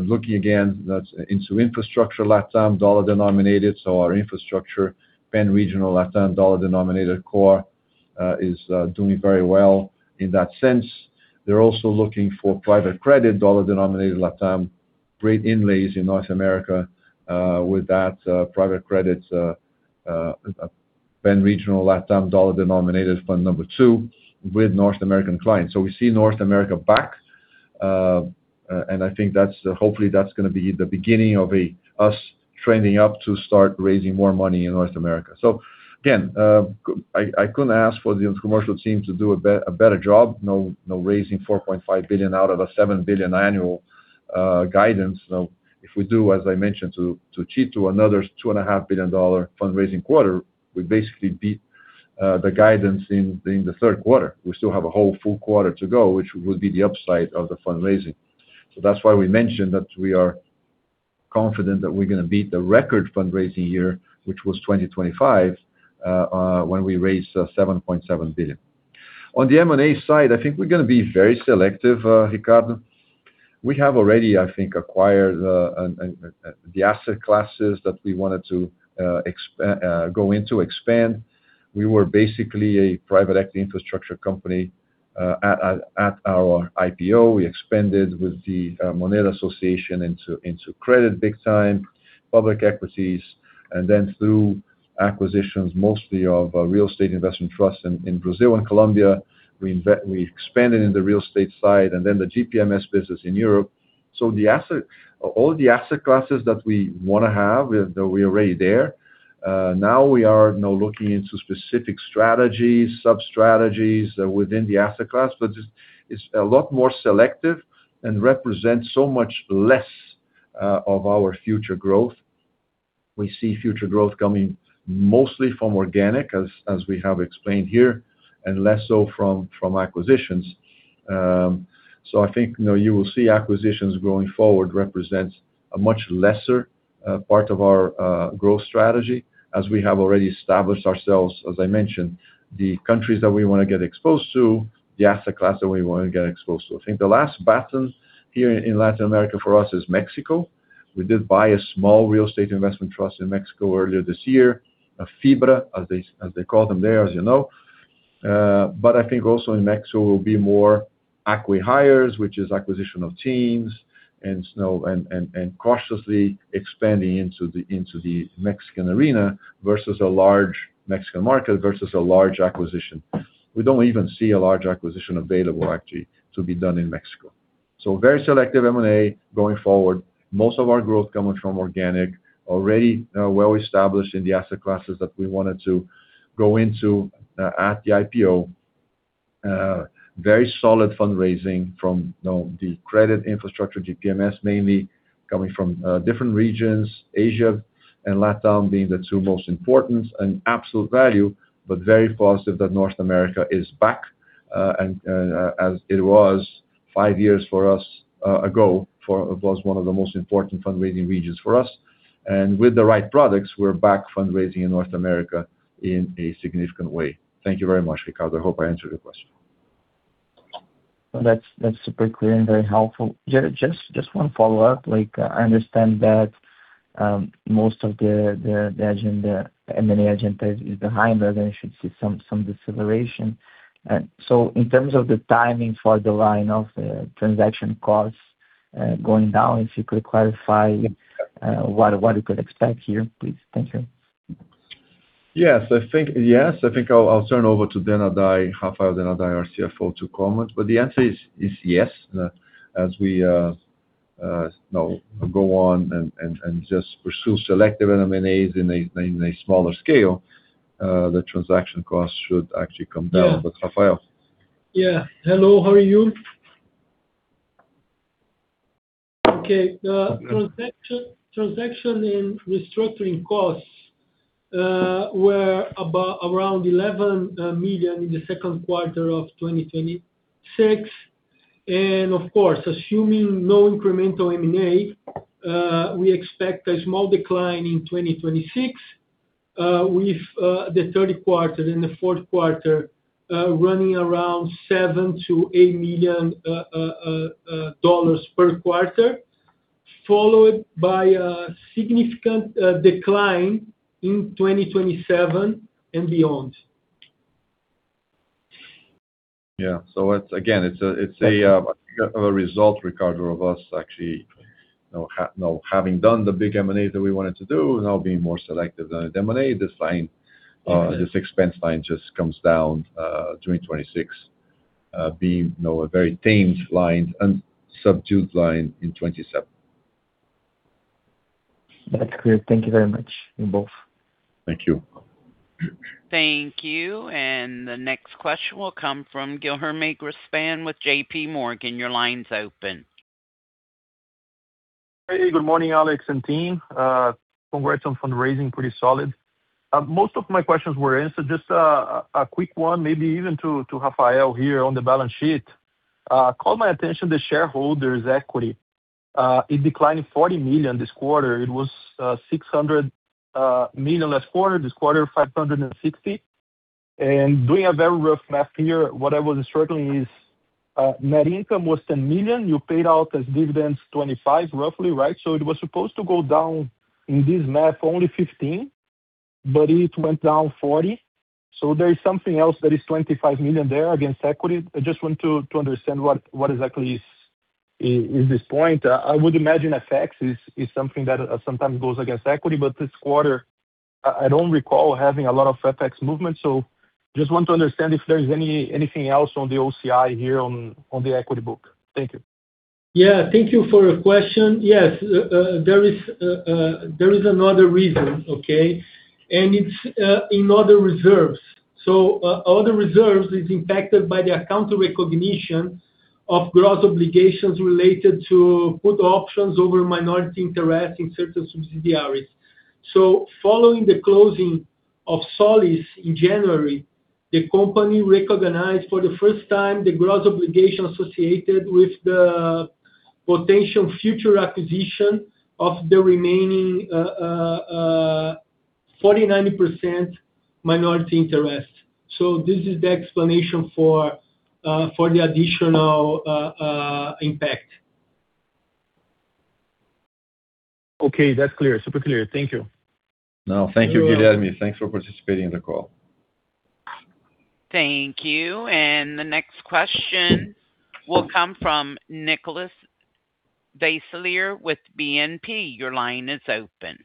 looking again into infrastructure LATAM dollar-denominated. Our infrastructure pan-regional LATAM dollar-denominated core is doing very well in that sense. They're also looking for private credit dollar-denominated LATAM. Great inlays in North America with that private credit pan-regional LATAM dollar-denominated Fund IIwith North American clients. We see North America back. I think hopefully that's going to be the beginning of us trending up to start raising more money in North America. Again, I couldn't ask for the commercial team to do a better job raising $4.5 billion out of a $7 billion annual guidance. If we do, as I mentioned, to get to another $2.5 billion fundraising quarter, we basically beat the guidance in the third quarter. We still have a whole full quarter to go, which will be the upside of the fundraising. That's why we mentioned that we are confident that we're going to beat the record fundraising year, which was 2025, when we raised $7.7 billion. On the M&A side, I think we're going to be very selective, Ricardo. We have already, I think, acquired the asset classes that we wanted to go into expand. We were basically a private equity infrastructure company at our IPO. We expanded with the Moneda Association into credit big time, public equities, and then through acquisitions, mostly of real estate investment trusts in Brazil and Colombia. We expanded in the real estate side and then the GPMS business in Europe. All the asset classes that we want to have, we are already there. Now we are looking into specific strategies, sub-strategies within the asset class, but it's a lot more selective and represents so much less of our future growth. We see future growth coming mostly from organic, as we have explained here, and less so from acquisitions. I think you will see acquisitions going forward represent a much lesser part of our growth strategy, as we have already established ourselves as I mentioned, the countries that we want to get exposed to, the asset class that we want to get exposed to. I think the last baton here in Latin America for us is Mexico. We did buy a small real estate investment trust in Mexico earlier this year, a FIBRA, as they call them there as you know. I think also in Mexico will be more acqui-hires, which is acquisition of teams and cautiously expanding into the Mexican arena versus a large Mexican market versus a large acquisition. We don't even see a large acquisition available actually to be done in Mexico. Very selective M&A going forward. Most of our growth coming from organic, already well established in the asset classes that we wanted to go into at the IPO. Very solid fundraising from the credit infrastructure, GPMS mainly, coming from different regions, Asia and LatAm being the two most important in absolute value, but very positive that North America is back as it was five years for us ago. It was one of the most important fundraising regions for us. With the right products, we're back fundraising in North America in a significant way. Thank you very much, Ricardo. I hope I answered your question. That's super clear and very helpful. Just one follow-up. I understand that most of the M&A agenda is behind; you should see some deceleration. In terms of the timing for the line of transaction costs going down, if you could qualify what you could expect here, please. Thank you. Yes. I think I'll turn over to Raphael Denadai, our CFO, to comment, but the answer is yes. As we go on and just pursue selective M&As in a smaller scale, the transaction cost should actually come down. Raphael. Hello, how are you? Okay. Transaction and restructuring costs were around $11 million in the second quarter of 2026. Of course, assuming no incremental M&A, we expect a small decline in 2026, with the third quarter and the fourth quarter running around $7 million-$8 million per quarter, followed by a significant decline in 2027 and beyond. Again, it's a result, Ricardo Buchpiguel, of us actually having done the big M&A that we wanted to do, now being more selective on M&A, this expense line just comes down 2026, being a very tame line and subdued line in 2027. That's clear. Thank you very much, you both. Thank you. Thank you. The next question will come from Guilherme Paiva with JPMorgan. Your line's open. Hey, good morning, Alex and team. Congrats on fundraising, pretty solid. Most of my questions were answered. Just a quick one, maybe even to Raphael here on the balance sheet. Called my attention to shareholders' equity. It declined $40 million this quarter. It was $600 million last quarter; this quarter $560. Doing a very rough math here, what I was struggling is net income was $10 million. You paid out as dividends $25 roughly, right? It was supposed to go down in this math only $15, but it went down $40. There is something else that is $25 million there against equity. I just want to understand what exactly is this point. I would imagine FX is something that sometimes goes against equity, but this quarter, I don't recall having a lot of FX movement. Just want to understand if there's anything else on the OCI here on the equity book. Thank you. Yeah. Thank you for your question. Yes. There is another reason, okay? It is in other reserves. Other reserves is impacted by the account recognition of gross obligations related to put options over minority interest in certain subsidiaries. Following the closing of Solis in January, the company recognized for the first time the gross obligation associated with the potential future acquisition of the remaining 49% minority interest. This is the explanation for the additional impact. Okay, that's clear. Super clear. Thank you. No, thank you, Guilherme. Thanks for participating in the call. Thank you. The next question will come from Nicolas Riva with BNP. Your line is open.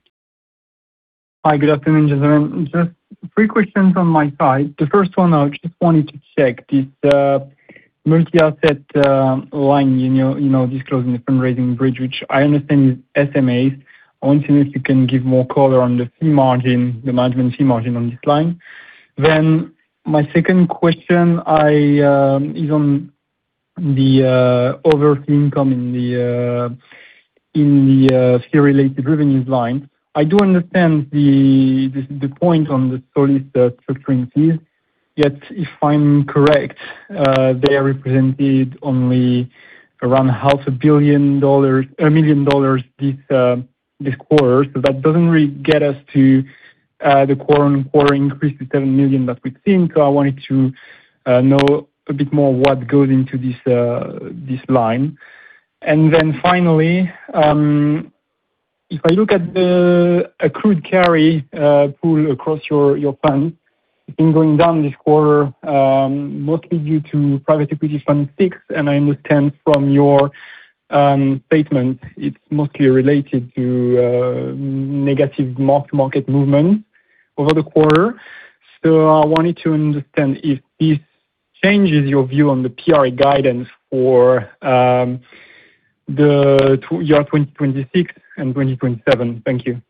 Hi, good afternoon, gentlemen. Just three questions on my side. The first one, I just wanted to check this multi-asset line you disclosed in the fundraising bridge, which I understand is SMAs. I want to know if you can give more color on the fee margin, the management fee margin on this line. My second question is on the other fee income in the fee related revenues line. I do understand the point on the Solis structuring fees. If I'm correct, they represented only around $500 million this quarter. That doesn't really get us to the quarter-on-quarter increase to $7 million that we think. I wanted to know a bit more what goes into this line. Finally, if I look at the accrued carry pool across your fund, it's been going down this quarter mostly due to private equity fund VI. I understand from your statement it's mostly related to negative market movement over the quarter. I wanted to understand if this changes your view on the FRE guidance for year 2026 and 2027. Thank you.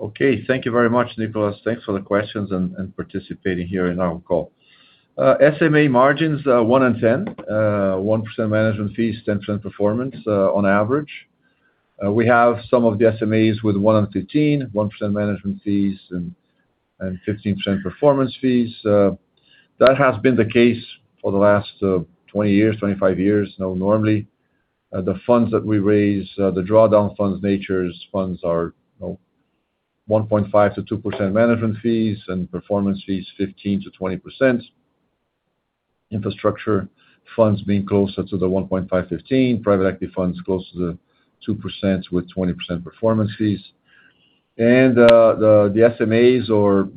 Okay. Thank you very much, Nicolas. Thanks for the questions and participating here in our call. SMA margins are 1 in 10, 1% management fees, 10% performance on average. We have some of the SMAs with 1 in 15, 1% management fees and 15% performance fees. That has been the case for the last 20 years, 25 years. Normally, the funds that we raise, the drawdown funds, natures funds are 1.5%-2% management fees and performance fees 15%-20%. Infrastructure funds being closer to the 1.5%, 15%, private equity funds closer to 2% with 20% performance fees. The SMAs or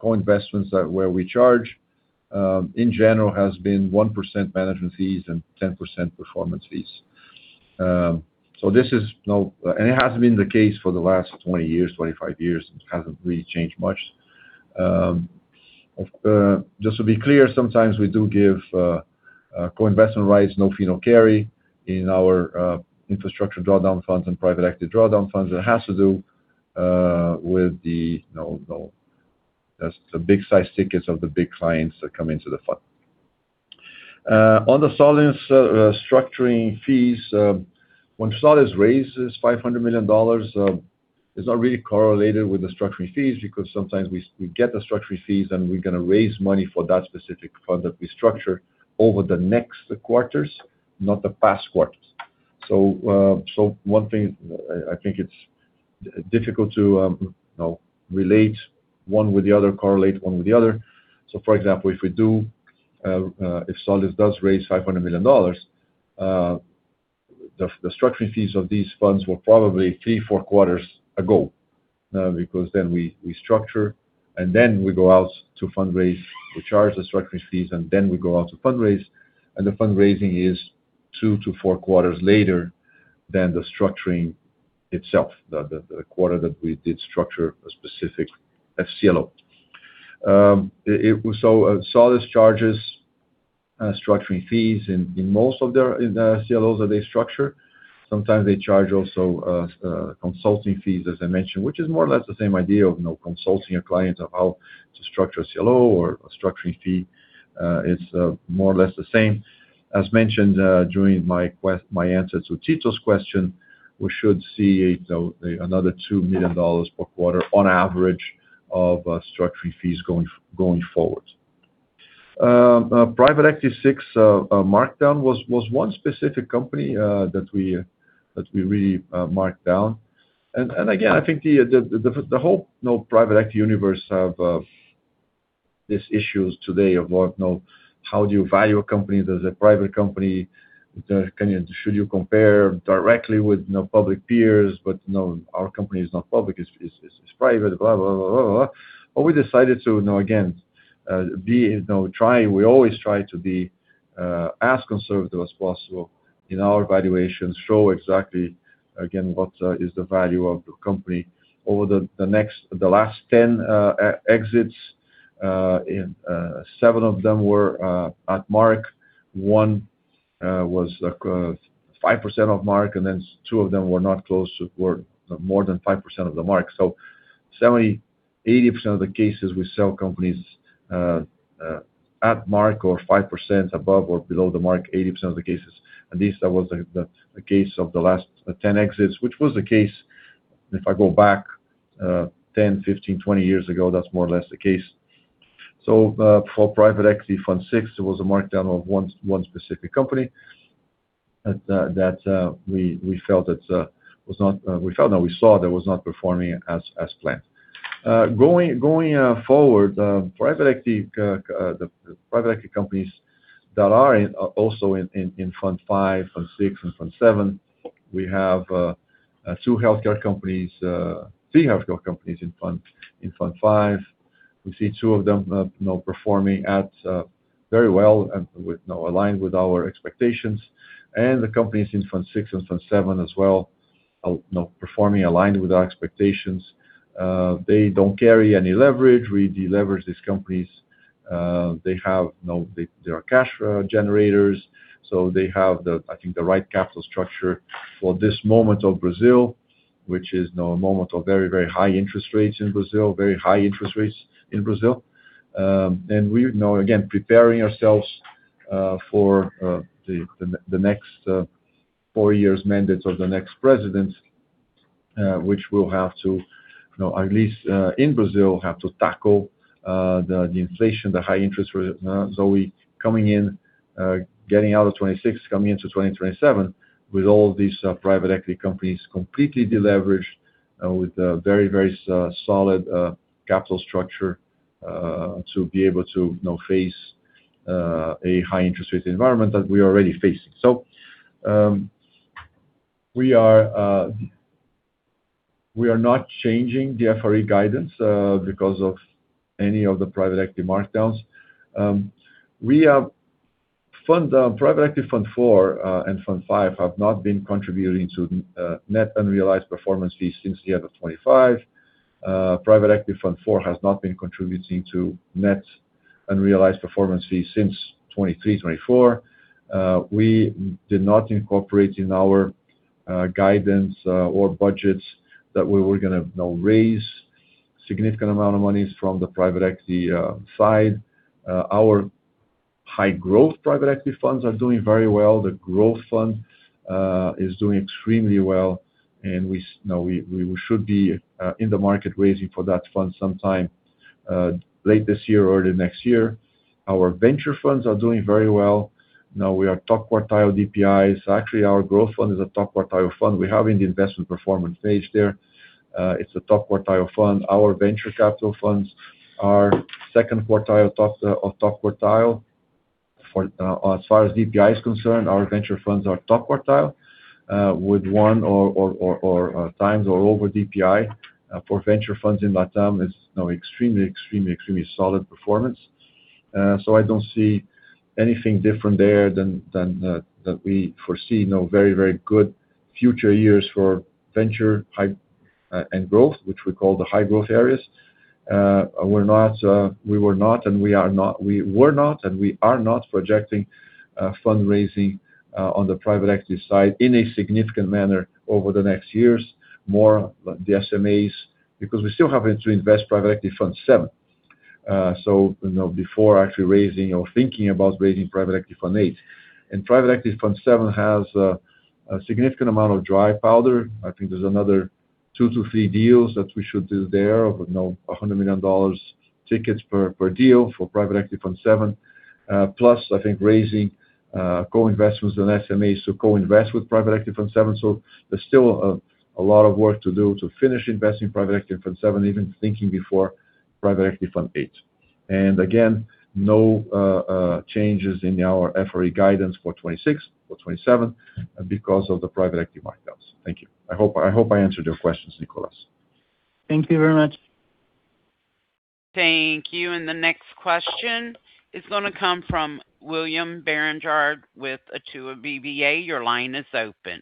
co-investments where we charge, in general, has been 1% management fees and 10% performance fees. It has been the case for the last 20 years, 25 years. It hasn't really changed much. Just to be clear, sometimes we do give co-investment rights, no fee, no carry in our infrastructure drawdown funds and private equity drawdown funds. It has to do with the big size tickets of the big clients that come into the fund. On the Solis structuring fees, when Solis raises $500 million, it's not really correlated with the structuring fees because sometimes we get the structuring fees and we're going to raise money for that specific fund that we structure over the next quarters, not the past quarters. One thing, I think it's difficult to relate one with the other, correlate one with the other. For example, if Solis does raise $500 million, the structuring fees of these funds were probably three, four quarters ago. We structure, and then we go out to fundraise. We charge the structuring fees, then we go out to fundraise, and the fundraising is two to four quarters later than the structuring itself, the quarter that we did structure a specific CLO. Solis Investimentos charges structuring fees in most of their CLOs that they structure. Sometimes they charge also consulting fees, as I mentioned, which is more or less the same idea of consulting a client on how to structure a CLO or a structuring fee. It is more or less the same. As mentioned during my answer to Tito's question, we should see another $2 million per quarter on average of structuring fees going forward. Private Equity Fund VI markdown was one specific company that we really marked down. Again, I think the whole private equity universe have these issues today of how do you value a company that is a private company? Should you compare directly with public peers? But no, our company is not public, it is private, blah, blah. What we decided to, again, we always try to be as conservative as possible in our valuations, show exactly, again, what is the value of the company. Over the last 10 exits, seven of them were at mark. One was 5% off mark, and then two of them were more than 5% of the mark. So 70%, 80% of the cases we sell companies at mark or 5% above or below the mark, 80% of the cases. At least that was the case of the last 10 exits, which was the case; if I go back 10, 15, 20 years ago, that is more or less the case. For Private Equity Fund VI, there was a markdown of one specific company that we saw that was not performing as planned. Going forward, the private equity companies that are also in Fund V, Fund VI, and Fund VII, we have three healthcare companies in Fund V. We see two of them now performing very well and aligned with our expectations. The companies in Fund VI and Fund VII as well now performing aligned with our expectations. They do not carry any leverage. We de-leverage these companies. They are cash generators, so they have, I think, the right capital structure for this moment of Brazil, which is now a moment of very, very high interest rates in Brazil. We are now, again, preparing ourselves for the next four years mandates of the next President, which will have to, at least in Brazil, have to tackle the inflation, the high interest rate. We coming in, getting out of 2026, coming into 2027 with all these private equity companies completely de-leveraged with a very, very solid capital structure to be able to now face a high interest rate environment that we are already facing. We are not changing the FRE guidance because of any of the private equity markdowns. Private Equity Fund IV and Fund V have not been contributing to net unrealized performance fees since the end of 2025. Private Equity Fund IV has not been contributing to net unrealized performance fees since 2023, 2024. We did not incorporate in our guidance or budgets that we were going to now raise significant amount of monies from the private equity side. Our high-growth private equity funds are doing very well. The growth fund is doing extremely well. We should be in the market raising for that fund sometime late this year or early next year. Our venture funds are doing very well. Now we are top quartile DPIs. Actually, our growth fund is a top-quartile fund. We have in the investment performance page there. It is a top quartile fund. Our venture capital funds are second quartile of top quartile. As far as DPI is concerned, our venture funds are top quartile with one or over DPI. For venture funds in LATAM is extremely solid performance. I don't see anything different there than that we foresee very good future years for venture and growth, which we call the high-growth areas. We were not and we are not projecting fundraising on the private equity side in a significant manner over the next years, more the SMAs, because we are still having to invest Private Equity Fund VII before actually raising or thinking about raising Private Equity Fund VIII. Private Equity Fund VII has a significant amount of dry powder. I think there is another two to three deals that we should do there of $100 million tickets per deal for Private Equity Fund VII. Plus, I think raising co-investments and SMAs to co-invest with Private Equity Fund VII. There is still a lot of work to do to finish investing Private Equity Fund VII, even thinking before Private Equity Fund VIII. Again, no changes in our FRE guidance for 2026 or 2027 because of the private equity markdowns. Thank you. I hope I answered your questions, Nicolas. Thank you very much. Thank you. The next question is going to come from William Barranjard with Itaú BBA. Your line is open.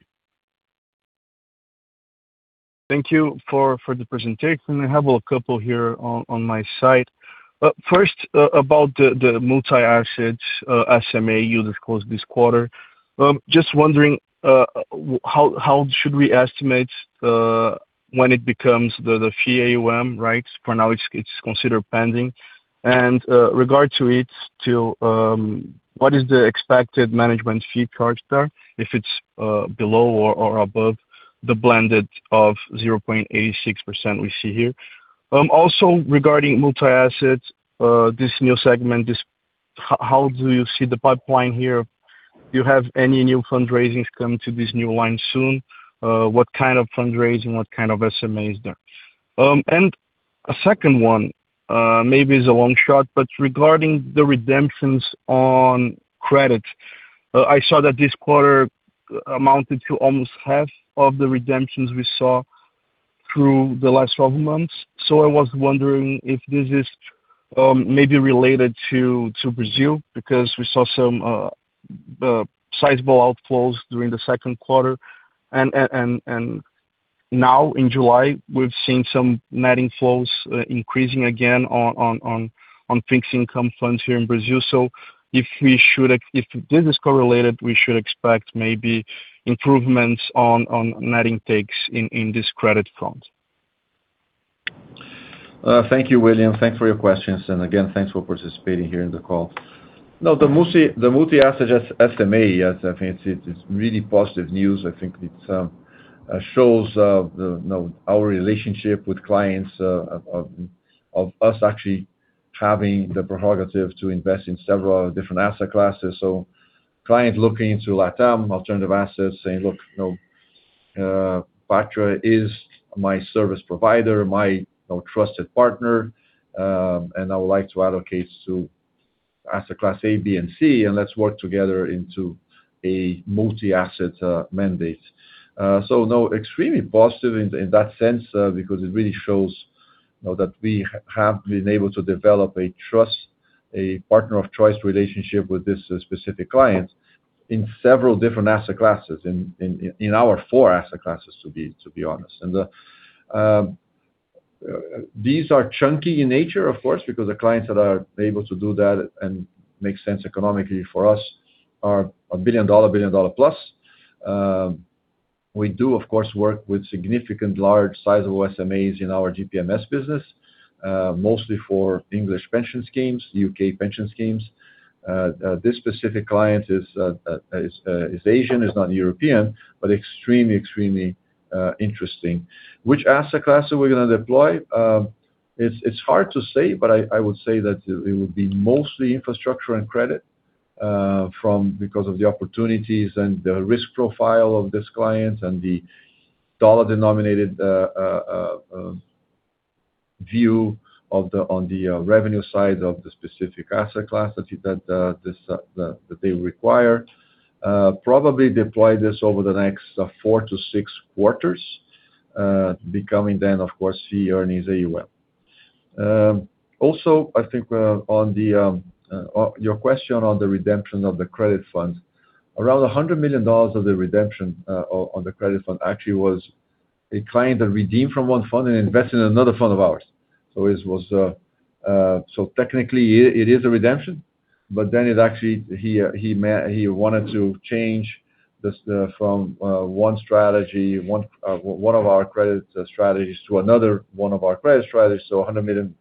Thank you for the presentation. I have a couple here on my side. First, about the multi-assets SMA you disclosed this quarter. Just wondering how should we estimate when it becomes the fee AUM, right? For now, it's considered pending. What is the expected management fee charged there, if it's below or above the blended of 0.86% we see here? Regarding multi-assets this new segment, how do you see the pipeline here? Do you have any new fundraisings coming to this new line soon? What kind of fundraising? What kind of SMAs there? A second one maybe is a long shot, but regarding the redemptions on credit, I saw that this quarter amounted to almost half of the redemptions we saw through the last 12 months. I was wondering if this is maybe related to Brazil, because we saw some sizable outflows during the second quarter and now in July we've seen some net inflows increasing again on fixed income funds here in Brazil. If this is correlated, we should expect maybe improvements on net intakes in this credit fund. Thank you, William. Thanks for your questions and again, thanks for participating here in the call. The multi-asset SMA, I think it's really positive news. I think it shows our relationship with clients of us actually having the prerogative to invest in several different asset classes. Client looking into LATAM alternative assets saying, "Look, Patria is my service provider, my trusted partner and I would like to allocate to asset class A, B, and C, and let's work together into a multi-asset mandate." Extremely positive in that sense because it really shows that we have been able to develop a trust, a partner of choice relationship with this specific client in several different asset classes, in our four asset classes to be honest. These are chunky in nature, of course, because the clients that are able to do that and make sense economically for us are a billion-dollar plus. We do, of course, work with significant large sizable SMAs in our GPMS business mostly for English pensions schemes, U.K. pensions schemes. This specific client is Asian, is not European, but extremely interesting. Which asset class are we going to deploy? It's hard to say, but I would say that it would be mostly infrastructure and credit because of the opportunities and the risk profile of this client and the dollar-denominated view on the revenue side of the specific asset class that they require. Probably deploy this over the next four to six quarters, becoming then, of course, fee earnings AUM. I think on your question on the redemption of the credit fund, $100 million of the redemption on the credit fund actually was a client that redeemed from one fund and invested in another fund of ours. Technically, it is a redemption, but he wanted to change from one of our credit strategies to another one of our credit strategies. $100 million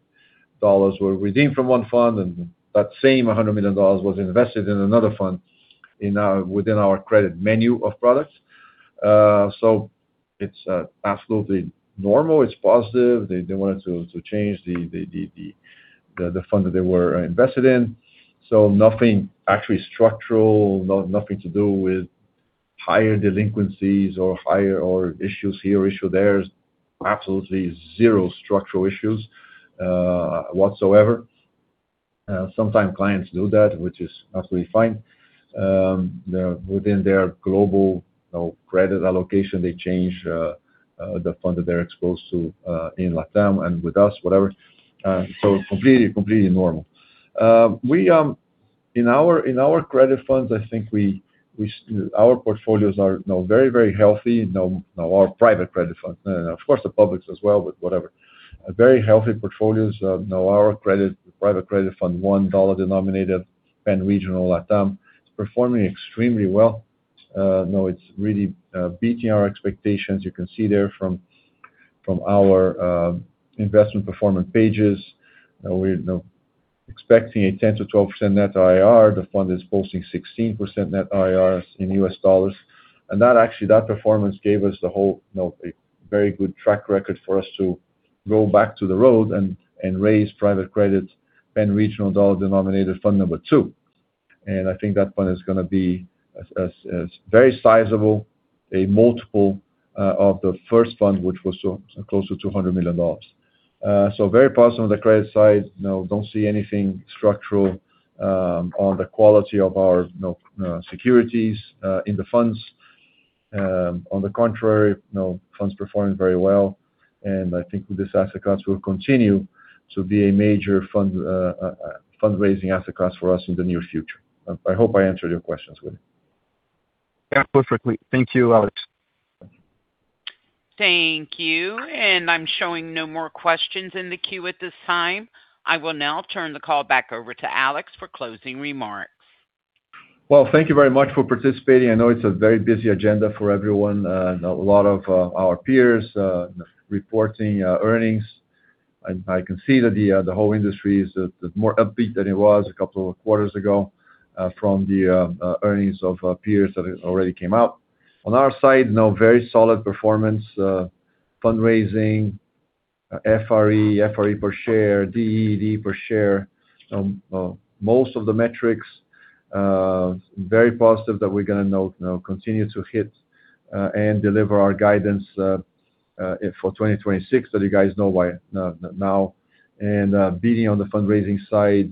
were redeemed from one fund, and that same $100 million was invested in another fund within our credit menu of products. It's absolutely normal. It's positive. They wanted to change the fund that they were invested in. Nothing actually structural, nothing to do with higher delinquencies or issues here, issue there. Absolutely zero structural issues whatsoever. Sometimes clients do that, which is absolutely fine. Within their global credit allocation, they change the fund that they're exposed to in LatAm and with us, whatever. Completely normal. In our credit funds, I think our portfolios are very healthy. Our private credit fund, of course, the public's as well, but whatever. Very healthy portfolios. Our private credit fund, $ 1-denominated Pan-regional LatAm, is performing extremely well. It's really beating our expectations. You can see there from our investment performance pages, we're expecting a 10%-12% net IRR. The fund is posting 16% net IRRs in US dollars. That performance gave us a very good track record for us to go back to the road and raise private credit Pan regional dollar denominated fund number 2. I think that fund is going to be very sizable, a multiple of the first fund, which was close to $200 million. Very positive on the credit side. Don't see anything structural on the quality of our securities in the funds. On the contrary, funds performing very well, and I think this asset class will continue to be a major fundraising asset class for us in the near future. I hope I answered your questions, William. Perfectly. Thank you, Alex. Thank you. I'm showing no more questions in the queue at this time. I will now turn the call back over to Alex for closing remarks. Well, thank you very much for participating. I know it's a very busy agenda for everyone. A lot of our peers reporting earnings. I can see that the whole industry is more upbeat than it was a couple of quarters ago from the earnings of peers that already came out. On our side, very solid performance fundraising, FRE per share, DE per share. Most of the metrics very positive that we're going to continue to hit and deliver our guidance for 2026 that you guys know by now. Beating on the fundraising side,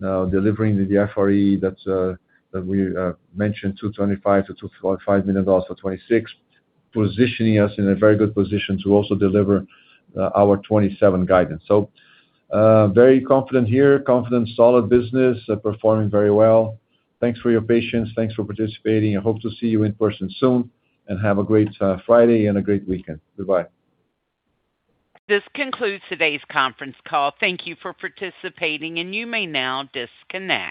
delivering the FRE that we mentioned, $225 million-$245 million for 2026, positioning us in a very good position to also deliver our 2027 guidance. Very confident here, confident, solid business performing very well. Thanks for your patience. Thanks for participating. I hope to see you in person soon, and have a great Friday and a great weekend. Goodbye. This concludes today's conference call. Thank you for participating, and you may now disconnect.